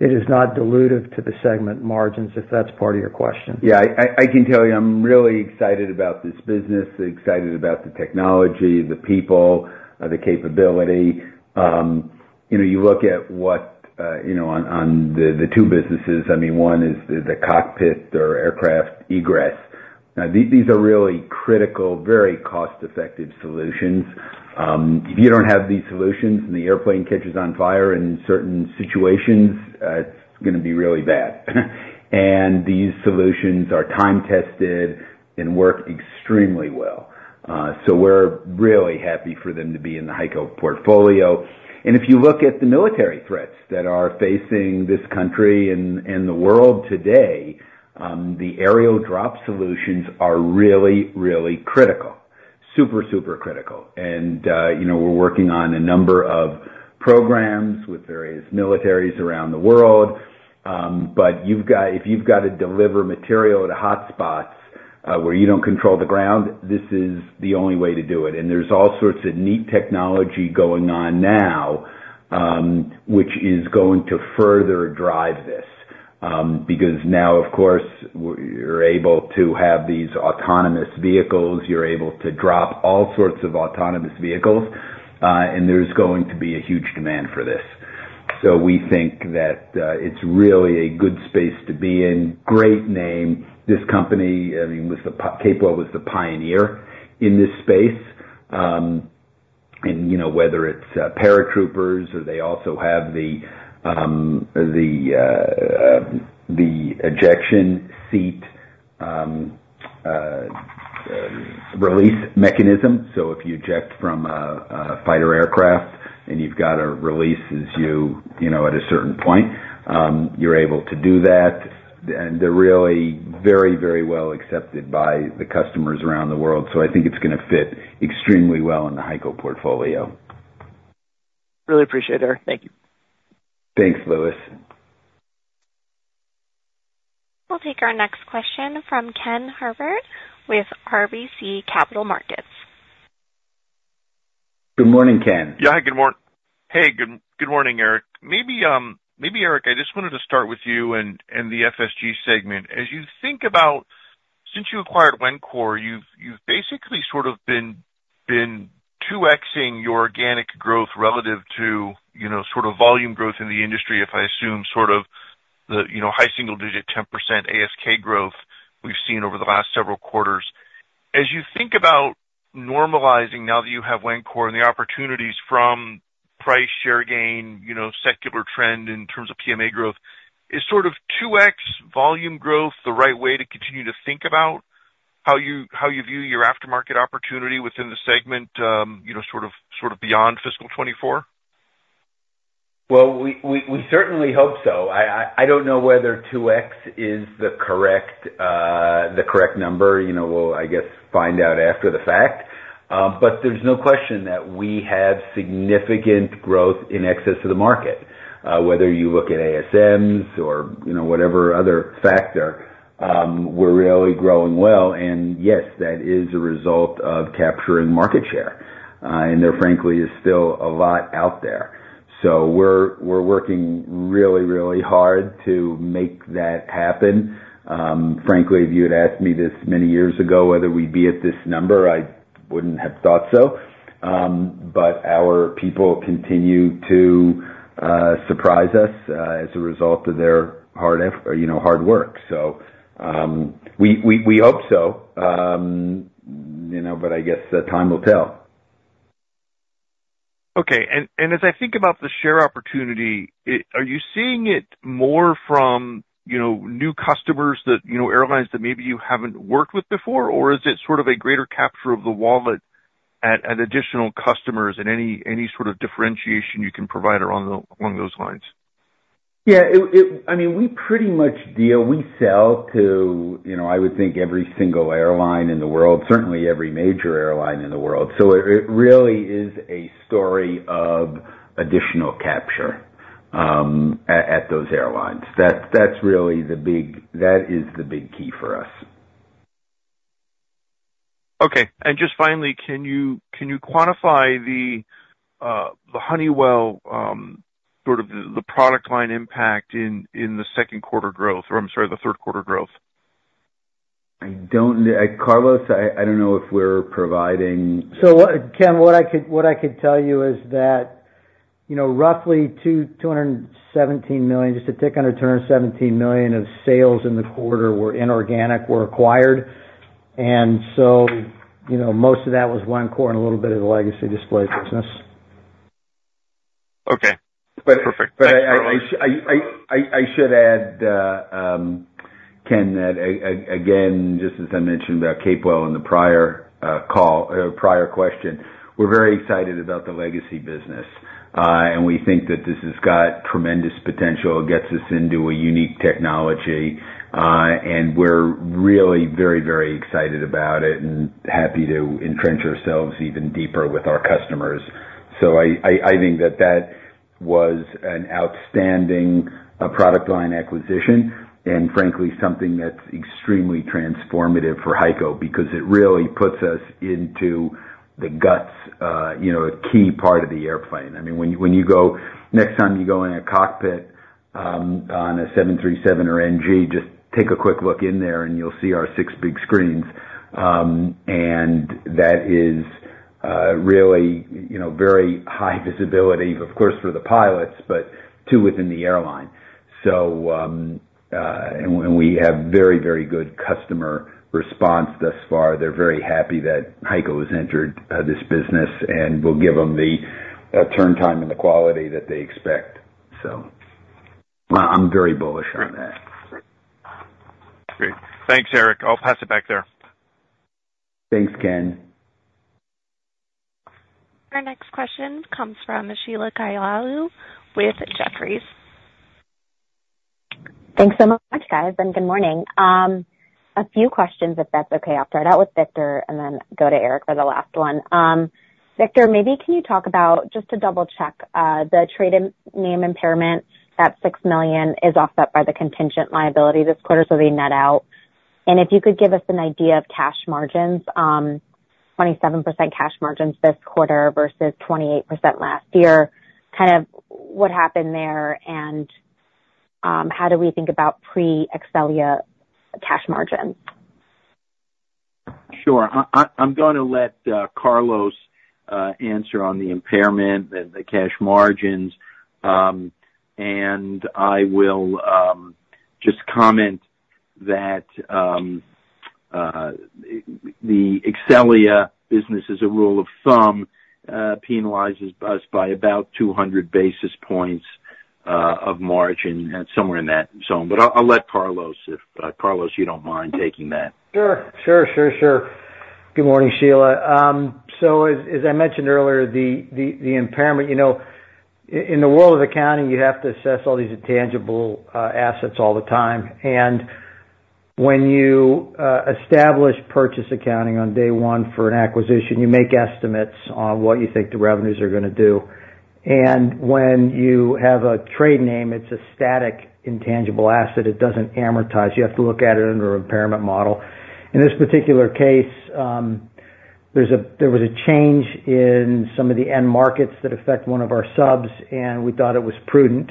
it is not dilutive to the segment margins, if that's part of your question. Yeah, I can tell you, I'm really excited about this business, excited about the technology, the people, the capability. You know, you look at what, you know, on the two businesses, I mean, one is the cockpit or aircraft egress. Now, these are really critical, very cost-effective solutions. If you don't have these solutions and the airplane catches on fire in certain situations, it's gonna be really bad. And these solutions are time-tested and work extremely well. So we're really happy for them to be in the HEICO portfolio. And if you look at the military threats that are facing this country and the world today, the aerial drop solutions are really, really critical. Super, super critical. You know, we're working on a number of programs with various militaries around the world, but if you've got to deliver material to hotspots where you don't control the ground, this is the only way to do it. There's all sorts of neat technology going on now, which is going to further drive this, because now, of course, you're able to have these autonomous vehicles, you're able to drop all sorts of autonomous vehicles, and there's going to be a huge demand for this. We think that it's really a good space to be in. Great name. This company, I mean, Capewell was the pioneer in this space. You know, whether it's paratroopers or they also have the ejection seat release mechanism. So if you eject from a fighter aircraft and you've got to release as you, you know, at a certain point, you're able to do that. And they're really very, very well accepted by the customers around the world. So I think it's gonna fit extremely well in the HEICO portfolio. Really appreciate it, Eric. Thank you. Thanks, Louis. We'll take our next question from Ken Herbert with RBC Capital Markets. Good morning, Ken. Yeah, good morning, Eric. Maybe Eric, I just wanted to start with you and the FSG segment. As you think about, since you acquired Wencor, you've basically sort of been two X-ing your organic growth relative to, you know, sort of volume growth in the industry, if I assume sort of the, you know, high single digit, 10% ASK growth we've seen over the last several quarters. As you think about normalizing now that you have Wencor and the opportunities from price share gain, you know, secular trend in terms of PMA growth, is sort of two X volume growth the right way to continue to think about how you view your aftermarket opportunity within the segment, you know, sort of beyond fiscal 2024? We certainly hope so. I don't know whether two X is the correct number. You know, we'll find out after the fact. But there's no question that we have significant growth in excess of the market. Whether you look at ASMs or, you know, whatever other factor, we're really growing well, and yes, that is a result of capturing market share. And there, frankly, is still a lot out there. So we're working really hard to make that happen. Frankly, if you had asked me this many years ago, whether we'd be at this number, I wouldn't have thought so. But our people continue to surprise us as a result of their hard work. So we hope so. You know, but I guess the time will tell. Okay. And as I think about the share opportunity, are you seeing it more from, you know, new customers that, you know, airlines that maybe you haven't worked with before? Or is it sort of a greater capture of the wallet at additional customers and any sort of differentiation you can provide along those lines? Yeah, I mean, we pretty much deal. We sell to, you know, I would think, every single airline in the world, certainly every major airline in the world. So it really is a story of additional capture at those airlines. That's really. That is the big key for us. Okay. And just finally, can you quantify the Honeywell sort of the product line impact in Q2 growth, or I'm sorry, Q3 growth? I don't know. Carlos, I don't know if we're providing- So, Ken, what I could tell you is that, you know, roughly $217 million, just a tick under $217 million of sales in the quarter were inorganic, were acquired. And so, you know, most of that was Wencor and a little bit of the legacy display business. Okay, perfect. But I should add, Ken, that again, just as I mentioned about Capewell in the prior call, prior question, we're very excited about the legacy business. And we think that this has got tremendous potential. It gets us into a unique technology, and we're really very, very excited about it and happy to entrench ourselves even deeper with our customers. So I think that that was an outstanding product line acquisition, and frankly, something that's extremely transformative for HEICO, because it really puts us into the guts, you know, a key part of the airplane. I mean, when you go next time you go in a cockpit, on a 737 or NG, just take a quick look in there and you'll see our six big screens. And that is really, you know, very high visibility, of course, for the pilots, but too within the airline. So we have very, very good customer response thus far. They're very happy that HEICO has entered this business and will give them the turn time and the quality that they expect. So I'm very bullish on that. Great. Thanks, Eric. I'll pass it back there. Thanks, Ken. Our next question comes from Sheila Kahyaoglu with Jefferies. Thanks so much, guys, and good morning. A few questions, if that's okay. I'll start out with Victor and then go to Eric for the last one. Victor, maybe can you talk about, just to double-check, the tradename impairment, that $6 million is offset by the contingent liability this quarter, so they net out. And if you could give us an idea of cash margins, 27% cash margins this quarter versus 28% last year, kind of what happened there, and, how do we think about pre-Exxelia cash margins? Sure. I'm gonna let Carlos answer on the impairment and the cash margins, and I will just comment that the Exxelia business, as a rule of thumb, penalizes us by about 200 basis points of margin and somewhere in that zone. But I'll let Carlos, if Carlos, you don't mind taking that. Sure. Sure, sure, sure. Good morning, Sheila. So as I mentioned earlier, the impairment, you know, in the world of accounting, you have to assess all these tangible assets all the time. And when you establish purchase accounting on day one for an acquisition, you make estimates on what you think the revenues are gonna do. And when you have a trade name, it's a static, intangible asset, it doesn't amortize. You have to look at it under an impairment model. In this particular case, there was a change in some of the end markets that affect one of our subs, and we thought it was prudent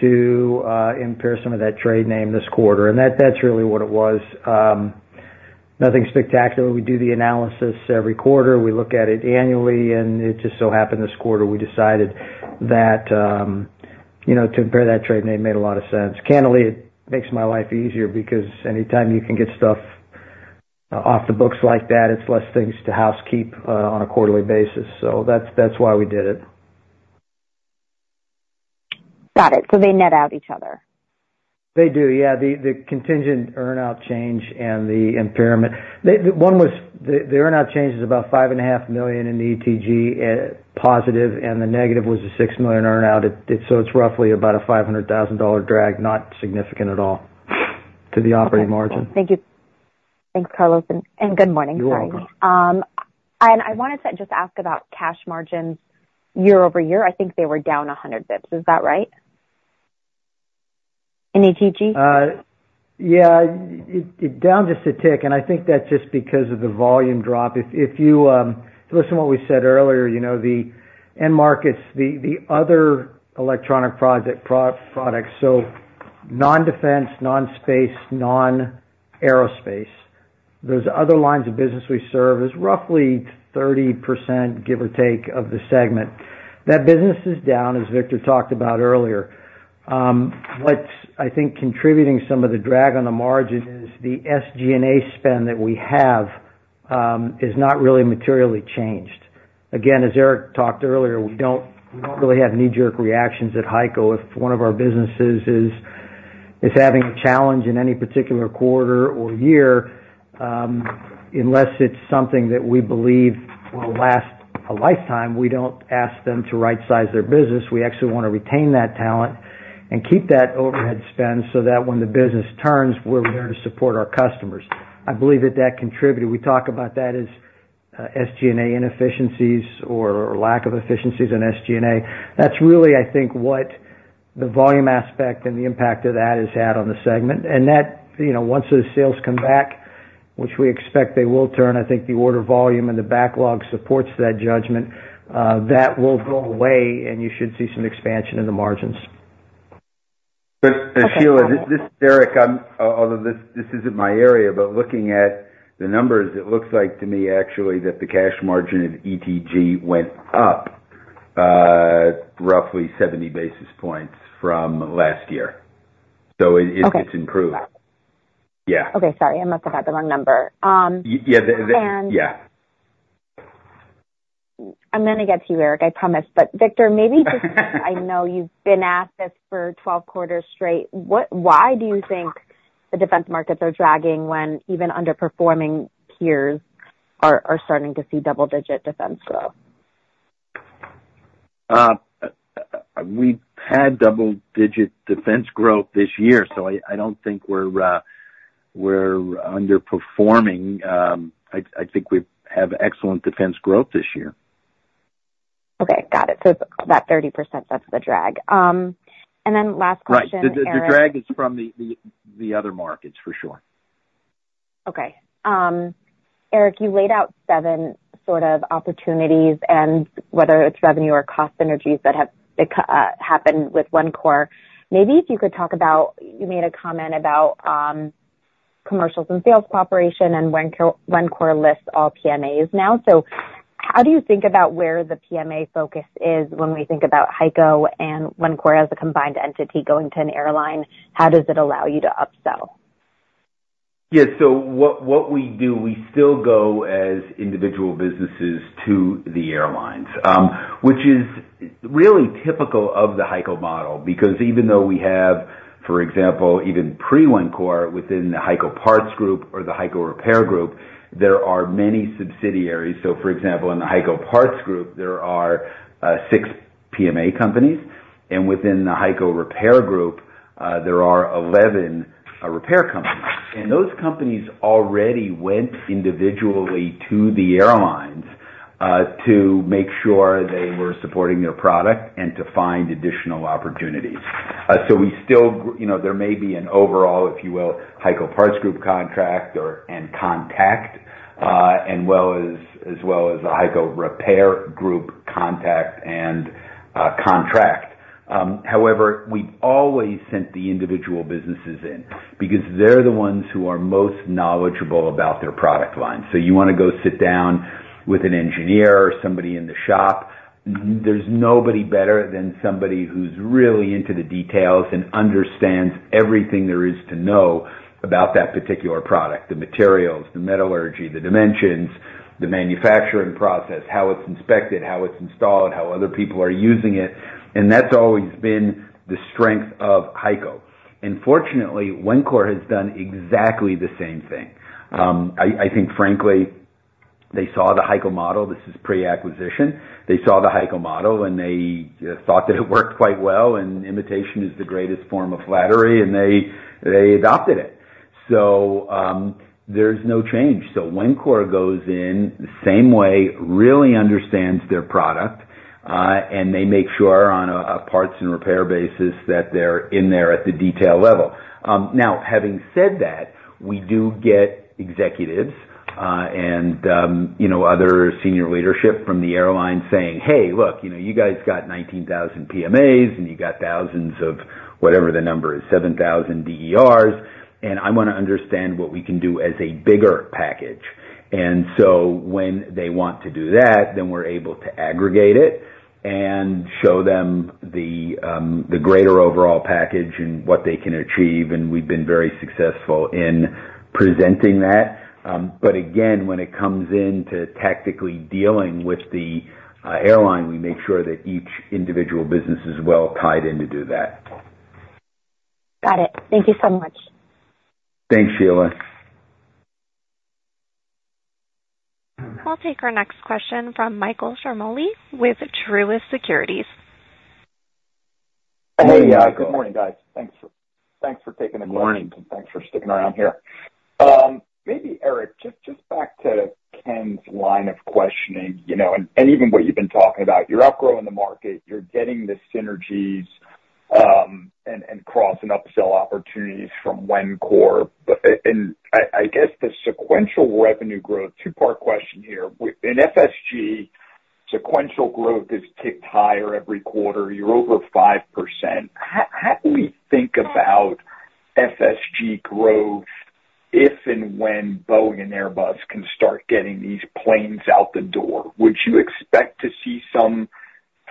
to impair some of that trade name this quarter. And that's really what it was. Nothing spectacular. We do the analysis every quarter. We look at it annually, and it just so happened this quarter, we decided that. You know, to impair that trade name made a lot of sense. Candidly, it makes my life easier because anytime you can get stuff off the books like that, it's less things to housekeep on a quarterly basis. So that's, that's why we did it. Got it. So they net out each other? They do, yeah. The contingent earn-out change and the impairment. The one was the earn-out change is about $5.5 million in the ETG, positive, and the negative was a $6 million earn-out. So it's roughly about a $500,000 drag, not significant at all to the operating margin. Thank you. Thanks, Carlos, and good morning. Sorry. You're welcome. And I wanted to just ask about cash margins year over year. I think they were down 100 basis points. Is that right? In ETG? Yeah, it's down just a tick, and I think that's just because of the volume drop. If you listen to what we said earlier, you know, the end markets, the other electronic products, so non-defense, non-space, non-aerospace. Those other lines of business we serve is roughly 30%, give or take, of the segment. That business is down, as Victor talked about earlier. What's, I think, contributing some of the drag on the margin is the SG&A spend that we have is not really materially changed. Again, as Eric talked earlier, we don't really have knee-jerk reactions at HEICO. If one of our businesses is having a challenge in any particular quarter or year, unless it's something that we believe will last a lifetime, we don't ask them to rightsize their business. We actually wanna retain that talent and keep that overhead spend so that when the business turns, we're there to support our customers. I believe that that contributed. We talk about that as SG&A inefficiencies or lack of efficiencies in SG&A. That's really, I think, what the volume aspect and the impact of that has had on the segment, and that, you know, once those sales come back, which we expect they will turn, I think the order volume and the backlog supports that judgment, that will go away, and you should see some expansion in the margins. Okay. But, Sheila, this is Eric. Although this isn't my area, but looking at the numbers, it looks like to me actually that the cash margin of ETG went up roughly 70 basis points from last year. Okay. So it's improved. Yeah. Okay, sorry. I must have had the wrong number. Yeah, the- And- Yeah. I'm gonna get to you, Eric, I promise. But Victor, maybe just. I know you've been asked this for 12 quarters straight. What, why do you think the defense markets are dragging when even underperforming peers are starting to see double-digit defense growth? We've had double-digit defense growth this year, so I don't think we're underperforming. I think we have excellent defense growth this year. Okay, got it. So it's about 30%, that's the drag. And then last question, Eric. Right. The drag is from the other markets, for sure. Okay. Eric, you laid out seven sort of opportunities, and whether it's revenue or cost synergies that have happened with Wencor. Maybe if you could talk about, you made a comment about, commercials and sales cooperation and Wencor, Wencor lists all PMAs now. So how do you think about where the PMA focus is when we think about HEICO and Wencor as a combined entity going to an airline? How does it allow you to upsell? Yeah, so what we do, we still go as individual businesses to the airlines, which is really typical of the HEICO model, because even though we have, for example, even pre-Wencor within the HEICO Parts Group or the HEICO Repair Group, there are many subsidiaries. So for example, in the HEICO Parts Group, there are six PMA companies, and within the HEICO Repair Group, there are 11 repair companies. And those companies already went individually to the airlines to make sure they were supporting their product and to find additional opportunities. So we still, you know, there may be an overall, if you will, HEICO Parts Group contract or contact, and as well as a HEICO Repair Group contact and a contract. However, we've always sent the individual businesses in, because they're the ones who are most knowledgeable about their product line. So you wanna go sit down with an engineer or somebody in the shop, there's nobody better than somebody who's really into the details and understands everything there is to know about that particular product, the materials, the metallurgy, the dimensions, the manufacturing process, how it's inspected, how it's installed, how other people are using it, and that's always been the strength of HEICO. And fortunately, Wencor has done exactly the same thing. I think, frankly, they saw the HEICO model. This is pre-acquisition. They saw the HEICO model, and they thought that it worked quite well, and imitation is the greatest form of flattery, and they adopted it. So, there's no change. So Wencor goes in the same way, really understands their product, and they make sure on a parts and repair basis that they're in there at the detail level. Now, having said that, we do get executives, and, you know, other senior leadership from the airline saying: Hey, look, you know, you guys got 19 PMAs, and you got thousands of whatever the number is, 700 DERs, and I wanna understand what we can do as a bigger package. And so when they want to do that, then we're able to aggregate it and show them the greater overall package and what they can achieve, and we've been very successful in presenting that. But again, when it comes in to tactically dealing with the airline, we make sure that each individual business is well tied in to do that. Got it. Thank you so much. Thanks, Sheila. We'll take our next question from Michael Ciarmoli with Truist Securities. Hey, good morning, guys. Thanks for taking the call. Good morning. And thanks for sticking around here. Maybe, Eric, just back to Ken's line of questioning, you know, and even what you've been talking about, you're outgrowing the market, you're getting the synergies, and cross and upsell opportunities from Wencor. And I guess the sequential revenue growth, two-part question here: In FSG, sequential growth has ticked higher every quarter. You're over 5%. How do we think about FSG growth if and when Boeing and Airbus can start getting these planes out the door? Would you expect to see some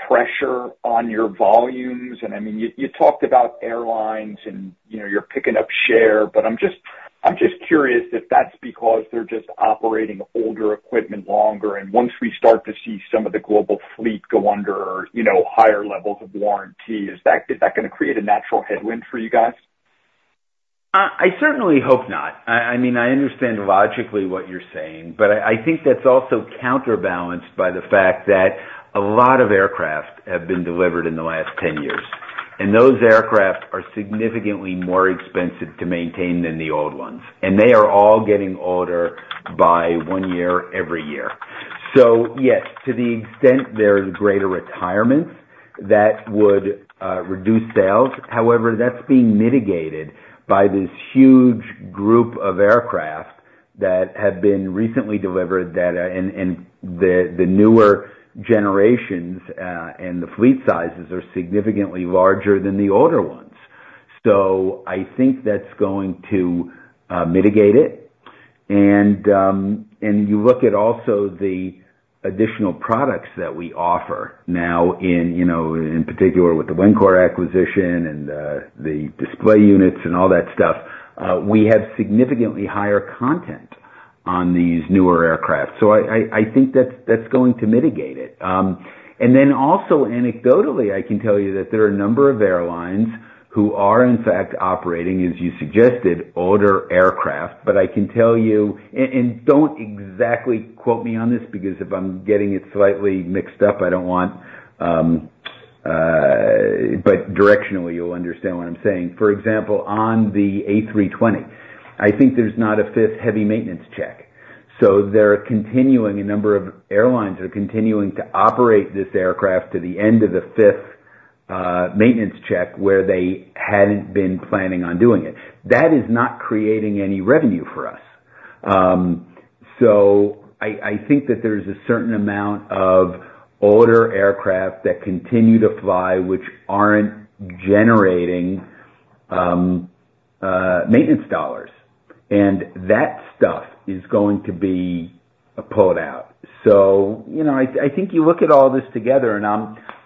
pressure on your volumes? I mean, you, you talked about airlines and, you know, you're picking up share, but I'm just, I'm just curious if that's because they're just operating older equipment longer, and once we start to see some of the global fleet go under, you know, higher levels of warranty, is that, is that gonna create a natural headwind for you guys? I certainly hope not. I mean, I understand logically what you're saying, but I think that's also counterbalanced by the fact that a lot of aircraft have been delivered in the last 10 years, and those aircraft are significantly more expensive to maintain than the old ones, and they are all getting older by one year every year. So yes, to the extent there's greater retirement, that would reduce sales. However, that's being mitigated by this huge group of aircraft that have been recently delivered, and the newer generations and the fleet sizes are significantly larger than the older ones. So I think that's going to mitigate it. And you look at also the additional products that we offer now in, you know, in particular with the Wencor acquisition and, the display units and all that stuff, we have significantly higher content on these newer aircraft. So I think that's going to mitigate it. And then also, anecdotally, I can tell you that there are a number of airlines who are, in fact, operating, as you suggested, older aircraft. But I can tell you, and don't exactly quote me on this, because if I'm getting it slightly mixed up, I don't want. But directionally, you'll understand what I'm saying. For example, on the A320, I think there's not a fifth heavy maintenance check. So they're continuing, a number of airlines are continuing to operate this aircraft to the end of the fifth maintenance check, where they hadn't been planning on doing it. That is not creating any revenue for us. So I think that there's a certain amount of older aircraft that continue to fly, which aren't generating maintenance dollars, and that stuff is going to be pulled out. So, you know, I think you look at all this together, and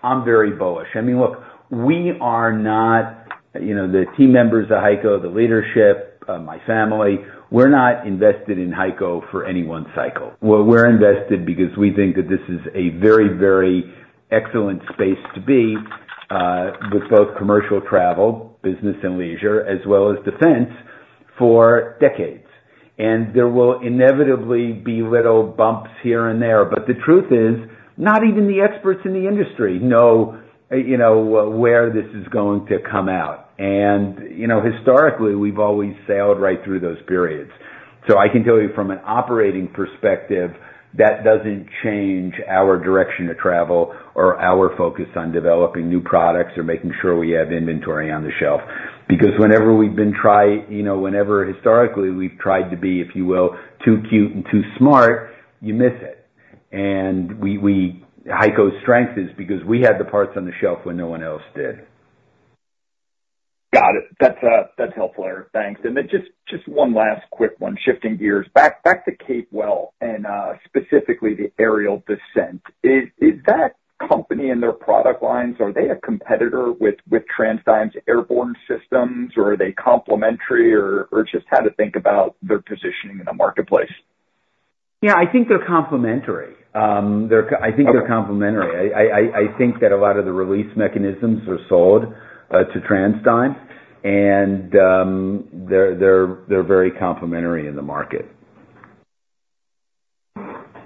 I'm very bullish. I mean, look, we are not, you know, the team members of HEICO, the leadership, my family, we're not invested in HEICO for any one cycle. Well, we're invested because we think that this is a very, very excellent space to be with both commercial travel, business and leisure, as well as defense, for decades. And there will inevitably be little bumps here and there, but the truth is, not even the experts in the industry know, you know, where this is going to come out. And, you know, historically, we've always sailed right through those periods. So I can tell you from an operating perspective, that doesn't change our direction of travel or our focus on developing new products or making sure we have inventory on the shelf. Because, you know, whenever historically we've tried to be, if you will, too cute and too smart, you miss it. And HEICO's strength is because we had the parts on the shelf when no one else did. Got it. That's helpful, Eric. Thanks. And then just one last quick one, shifting gears. Back to Capewell and specifically the aerial systems. Is that company and their product lines a competitor with TransDigm's airborne systems, or are they complementary? Or just how to think about their positioning in the marketplace? Yeah, I think they're complementary. They're co- Okay. I think they're complementary. I think that a lot of the release mechanisms are sold to TransDigm, and they're very complementary in the market.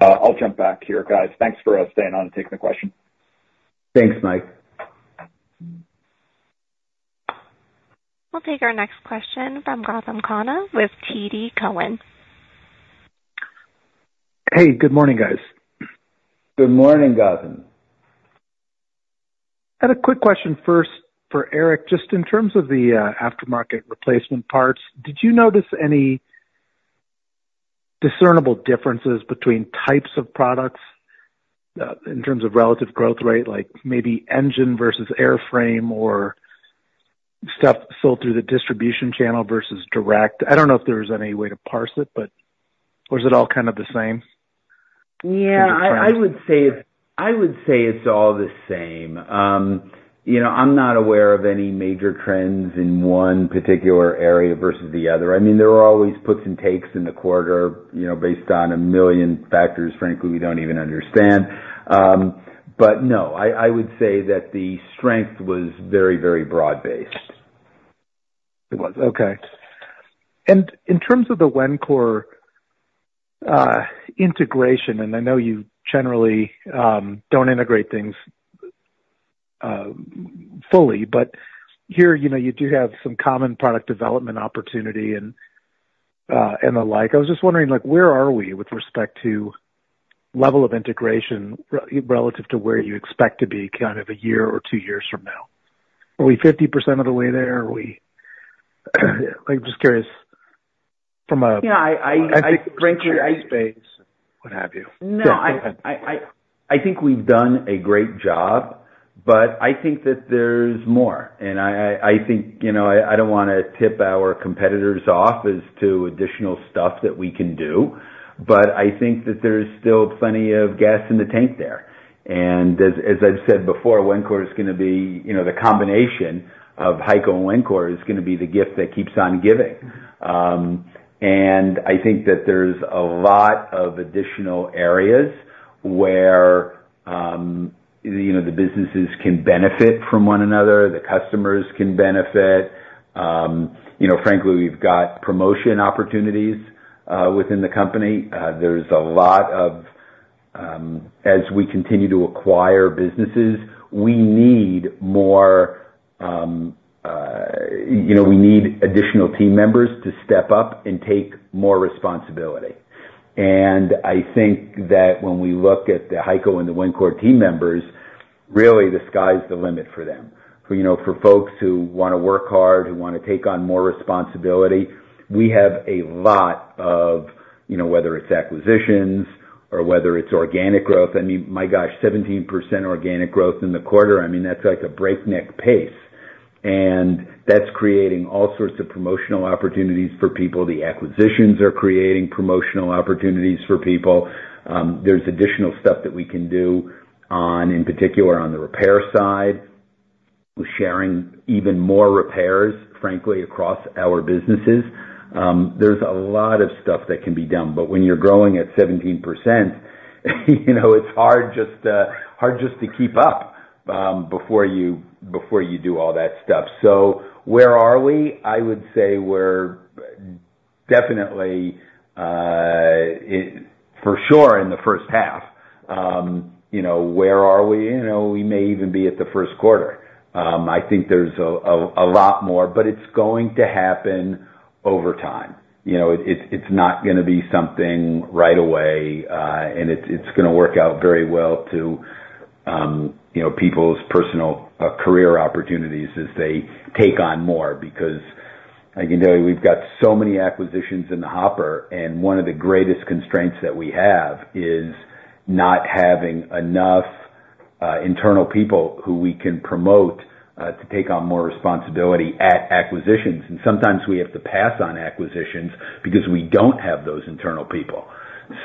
I'll jump back here, guys. Thanks for staying on and taking the question. Thanks, Mike. We'll take our next question from Gautam Khanna with TD Cowen. Hey, good morning, guys. Good morning, Gautam. I had a quick question first for Eric. Just in terms of the aftermarket replacement parts, did you notice any discernible differences between types of products in terms of relative growth rate, like maybe engine versus airframe or stuff sold through the distribution channel versus direct? I don't know if there's any way to parse it, but... Or is it all kind of the same? Yeah. Okay. I would say it's all the same. You know, I'm not aware of any major trends in one particular area versus the other. I mean, there are always puts and takes in the quarter, you know, based on a million factors, frankly, we don't even understand. But no, I would say that the strength was very, very broad-based. It was okay. And in terms of the Wencor integration, and I know you generally don't integrate things fully, but here, you know, you do have some common product development opportunity and the like. I was just wondering, like, where are we with respect to level of integration relative to where you expect to be kind of a year or two years from now? Are we 50% of the way there? Are we? I'm just curious from a- Yeah, frankly, I- Space, what have you? No, I think we've done a great job, but I think that there's more, and I think, you know, I don't wanna tip our competitors off as to additional stuff that we can do, but I think that there's still plenty of gas in the tank there. And as I've said before, Wencor is gonna be, you know, the combination of HEICO and Wencor is gonna be the gift that keeps on giving. And I think that there's a lot of additional areas where, you know, the businesses can benefit from one another, the customers can benefit. You know, frankly, we've got promotion opportunities within the company. There's a lot of... As we continue to acquire businesses, we need more, you know, we need additional team members to step up and take more responsibility. I think that when we look at the HEICO and the Wencor team members, really the sky's the limit for them. You know, for folks who wanna work hard, who wanna take on more responsibility, we have a lot of, you know, whether it's acquisitions or whether it's organic growth, I mean, my gosh, 17% organic growth in the quarter, I mean, that's like a breakneck pace. And that's creating all sorts of promotional opportunities for people. The acquisitions are creating promotional opportunities for people. There's additional stuff that we can do on, in particular, on the repair side, with sharing even more repairs, frankly, across our businesses. There's a lot of stuff that can be done, but when you're growing at 17%, you know, it's hard just to keep up, before you do all that stuff. So where are we? I would say we're definitely, for sure, in H1. You know, where are we? You know, we may even be at the first quarter. I think there's a lot more, but it's going to happen over time. You know, it's not gonna be something right away, and it's gonna work out very well to, you know, people's personal career opportunities as they take on more. Because I can tell you, we've got so many acquisitions in the hopper, and one of the greatest constraints that we have is not having enough internal people who we can promote to take on more responsibility at acquisitions. And sometimes we have to pass on acquisitions because we don't have those internal people.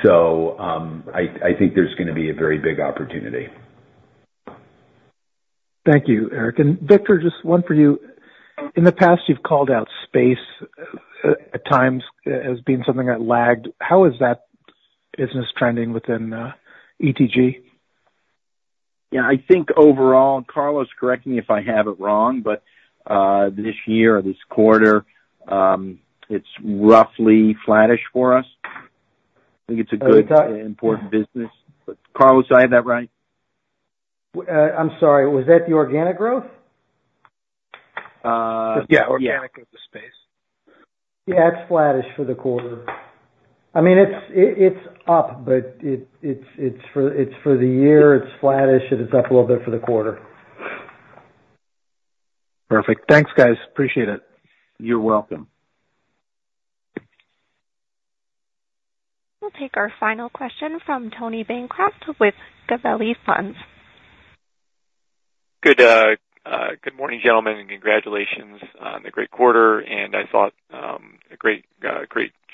So, I think there's gonna be a very big opportunity. Thank you, Eric. And Victor, just one for you. In the past, you've called out space at times as being something that lagged. How is that business trending within ETG? Yeah, I think overall, Carlos, correct me if I have it wrong, but this year or this quarter, it's roughly flattish for us. I think it's a good important business. But Carlos, do I have that right? I'm sorry, was that the organic growth? Uh, yeah. Organic of the space. Yeah, it's flattish for the quarter. I mean, it's up, but it's for the year, it's flattish, and it's up a little bit for the quarter. Perfect. Thanks, guys. Appreciate it. You're welcome. We'll take our final question from Tony Bancroft with Gabelli Funds. Good morning, gentlemen, and congratulations on the great quarter, and I thought a great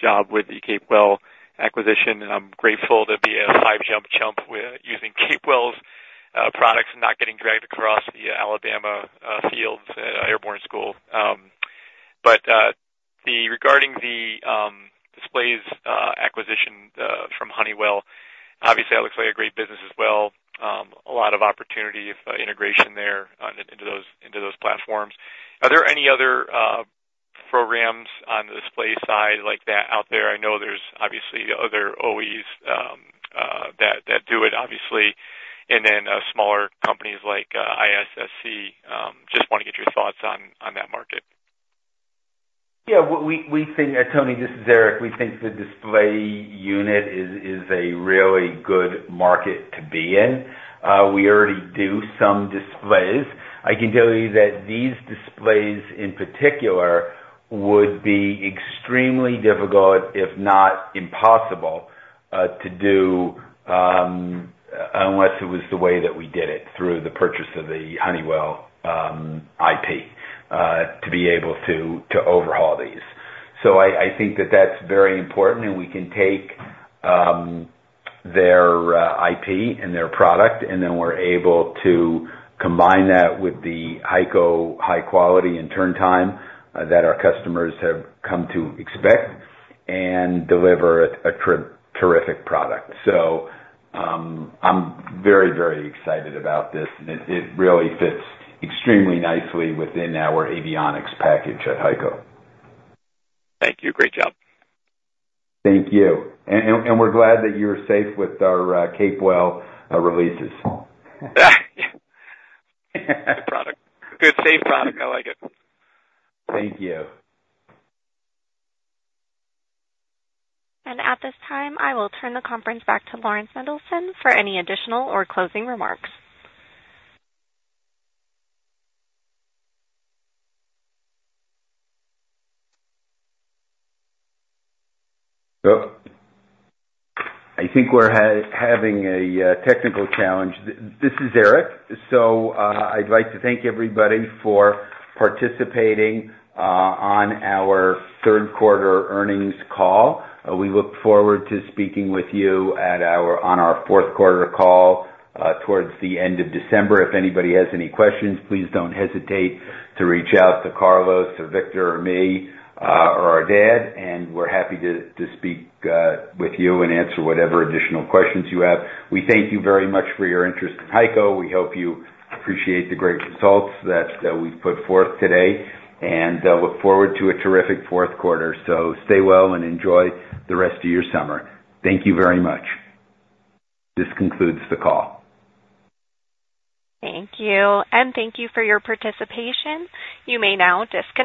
job with the Capewell acquisition, and I'm grateful to be a five-jump chump with using Capewell's products and not getting dragged across the Alabama fields, airborne school. But regarding the displays acquisition from Honeywell, obviously, that looks like a great business as well. A lot of opportunity for integration there into those platforms. Are there any other programs on the display side like that out there? I know there's obviously other OEs that do it, obviously, and then smaller companies like ISSC. Just wanna get your thoughts on that market. Yeah, we think, Tony, this is Eric. We think the display unit is a really good market to be in. We already do some displays. I can tell you that these displays, in particular, would be extremely difficult, if not impossible, to do unless it was the way that we did it through the purchase of the Honeywell IP to be able to overhaul these. So I think that that's very important, and we can take their IP and their product, and then we're able to combine that with the HEICO high quality and turn time that our customers have come to expect and deliver a terrific product. So I'm very excited about this, and it really fits extremely nicely within our avionics package at HEICO. Thank you. Great job. Thank you. We're glad that you're safe with our Capewell releases. Good product. Good safe product. I like it. Thank you. At this time, I will turn the conference back to Laurans Mendelson for any additional or closing remarks. I think we're having a technical challenge. This is Eric. I'd like to thank everybody for participating on our Q3 earnings call. We look forward to speaking with you at our, on our Q4 call towards the end of December. If anybody has any questions, please don't hesitate to reach out to Carlos or Victor or me, or our dad, and we're happy to speak with you and answer whatever additional questions you have. We thank you very much for your interest in HEICO. We hope you appreciate the great results that we've put forth today and look forward to a terrific Q4. Stay well and enjoy the rest of your summer. Thank you very much. This concludes the call. Thank you, and thank you for your participation. You may now disconnect.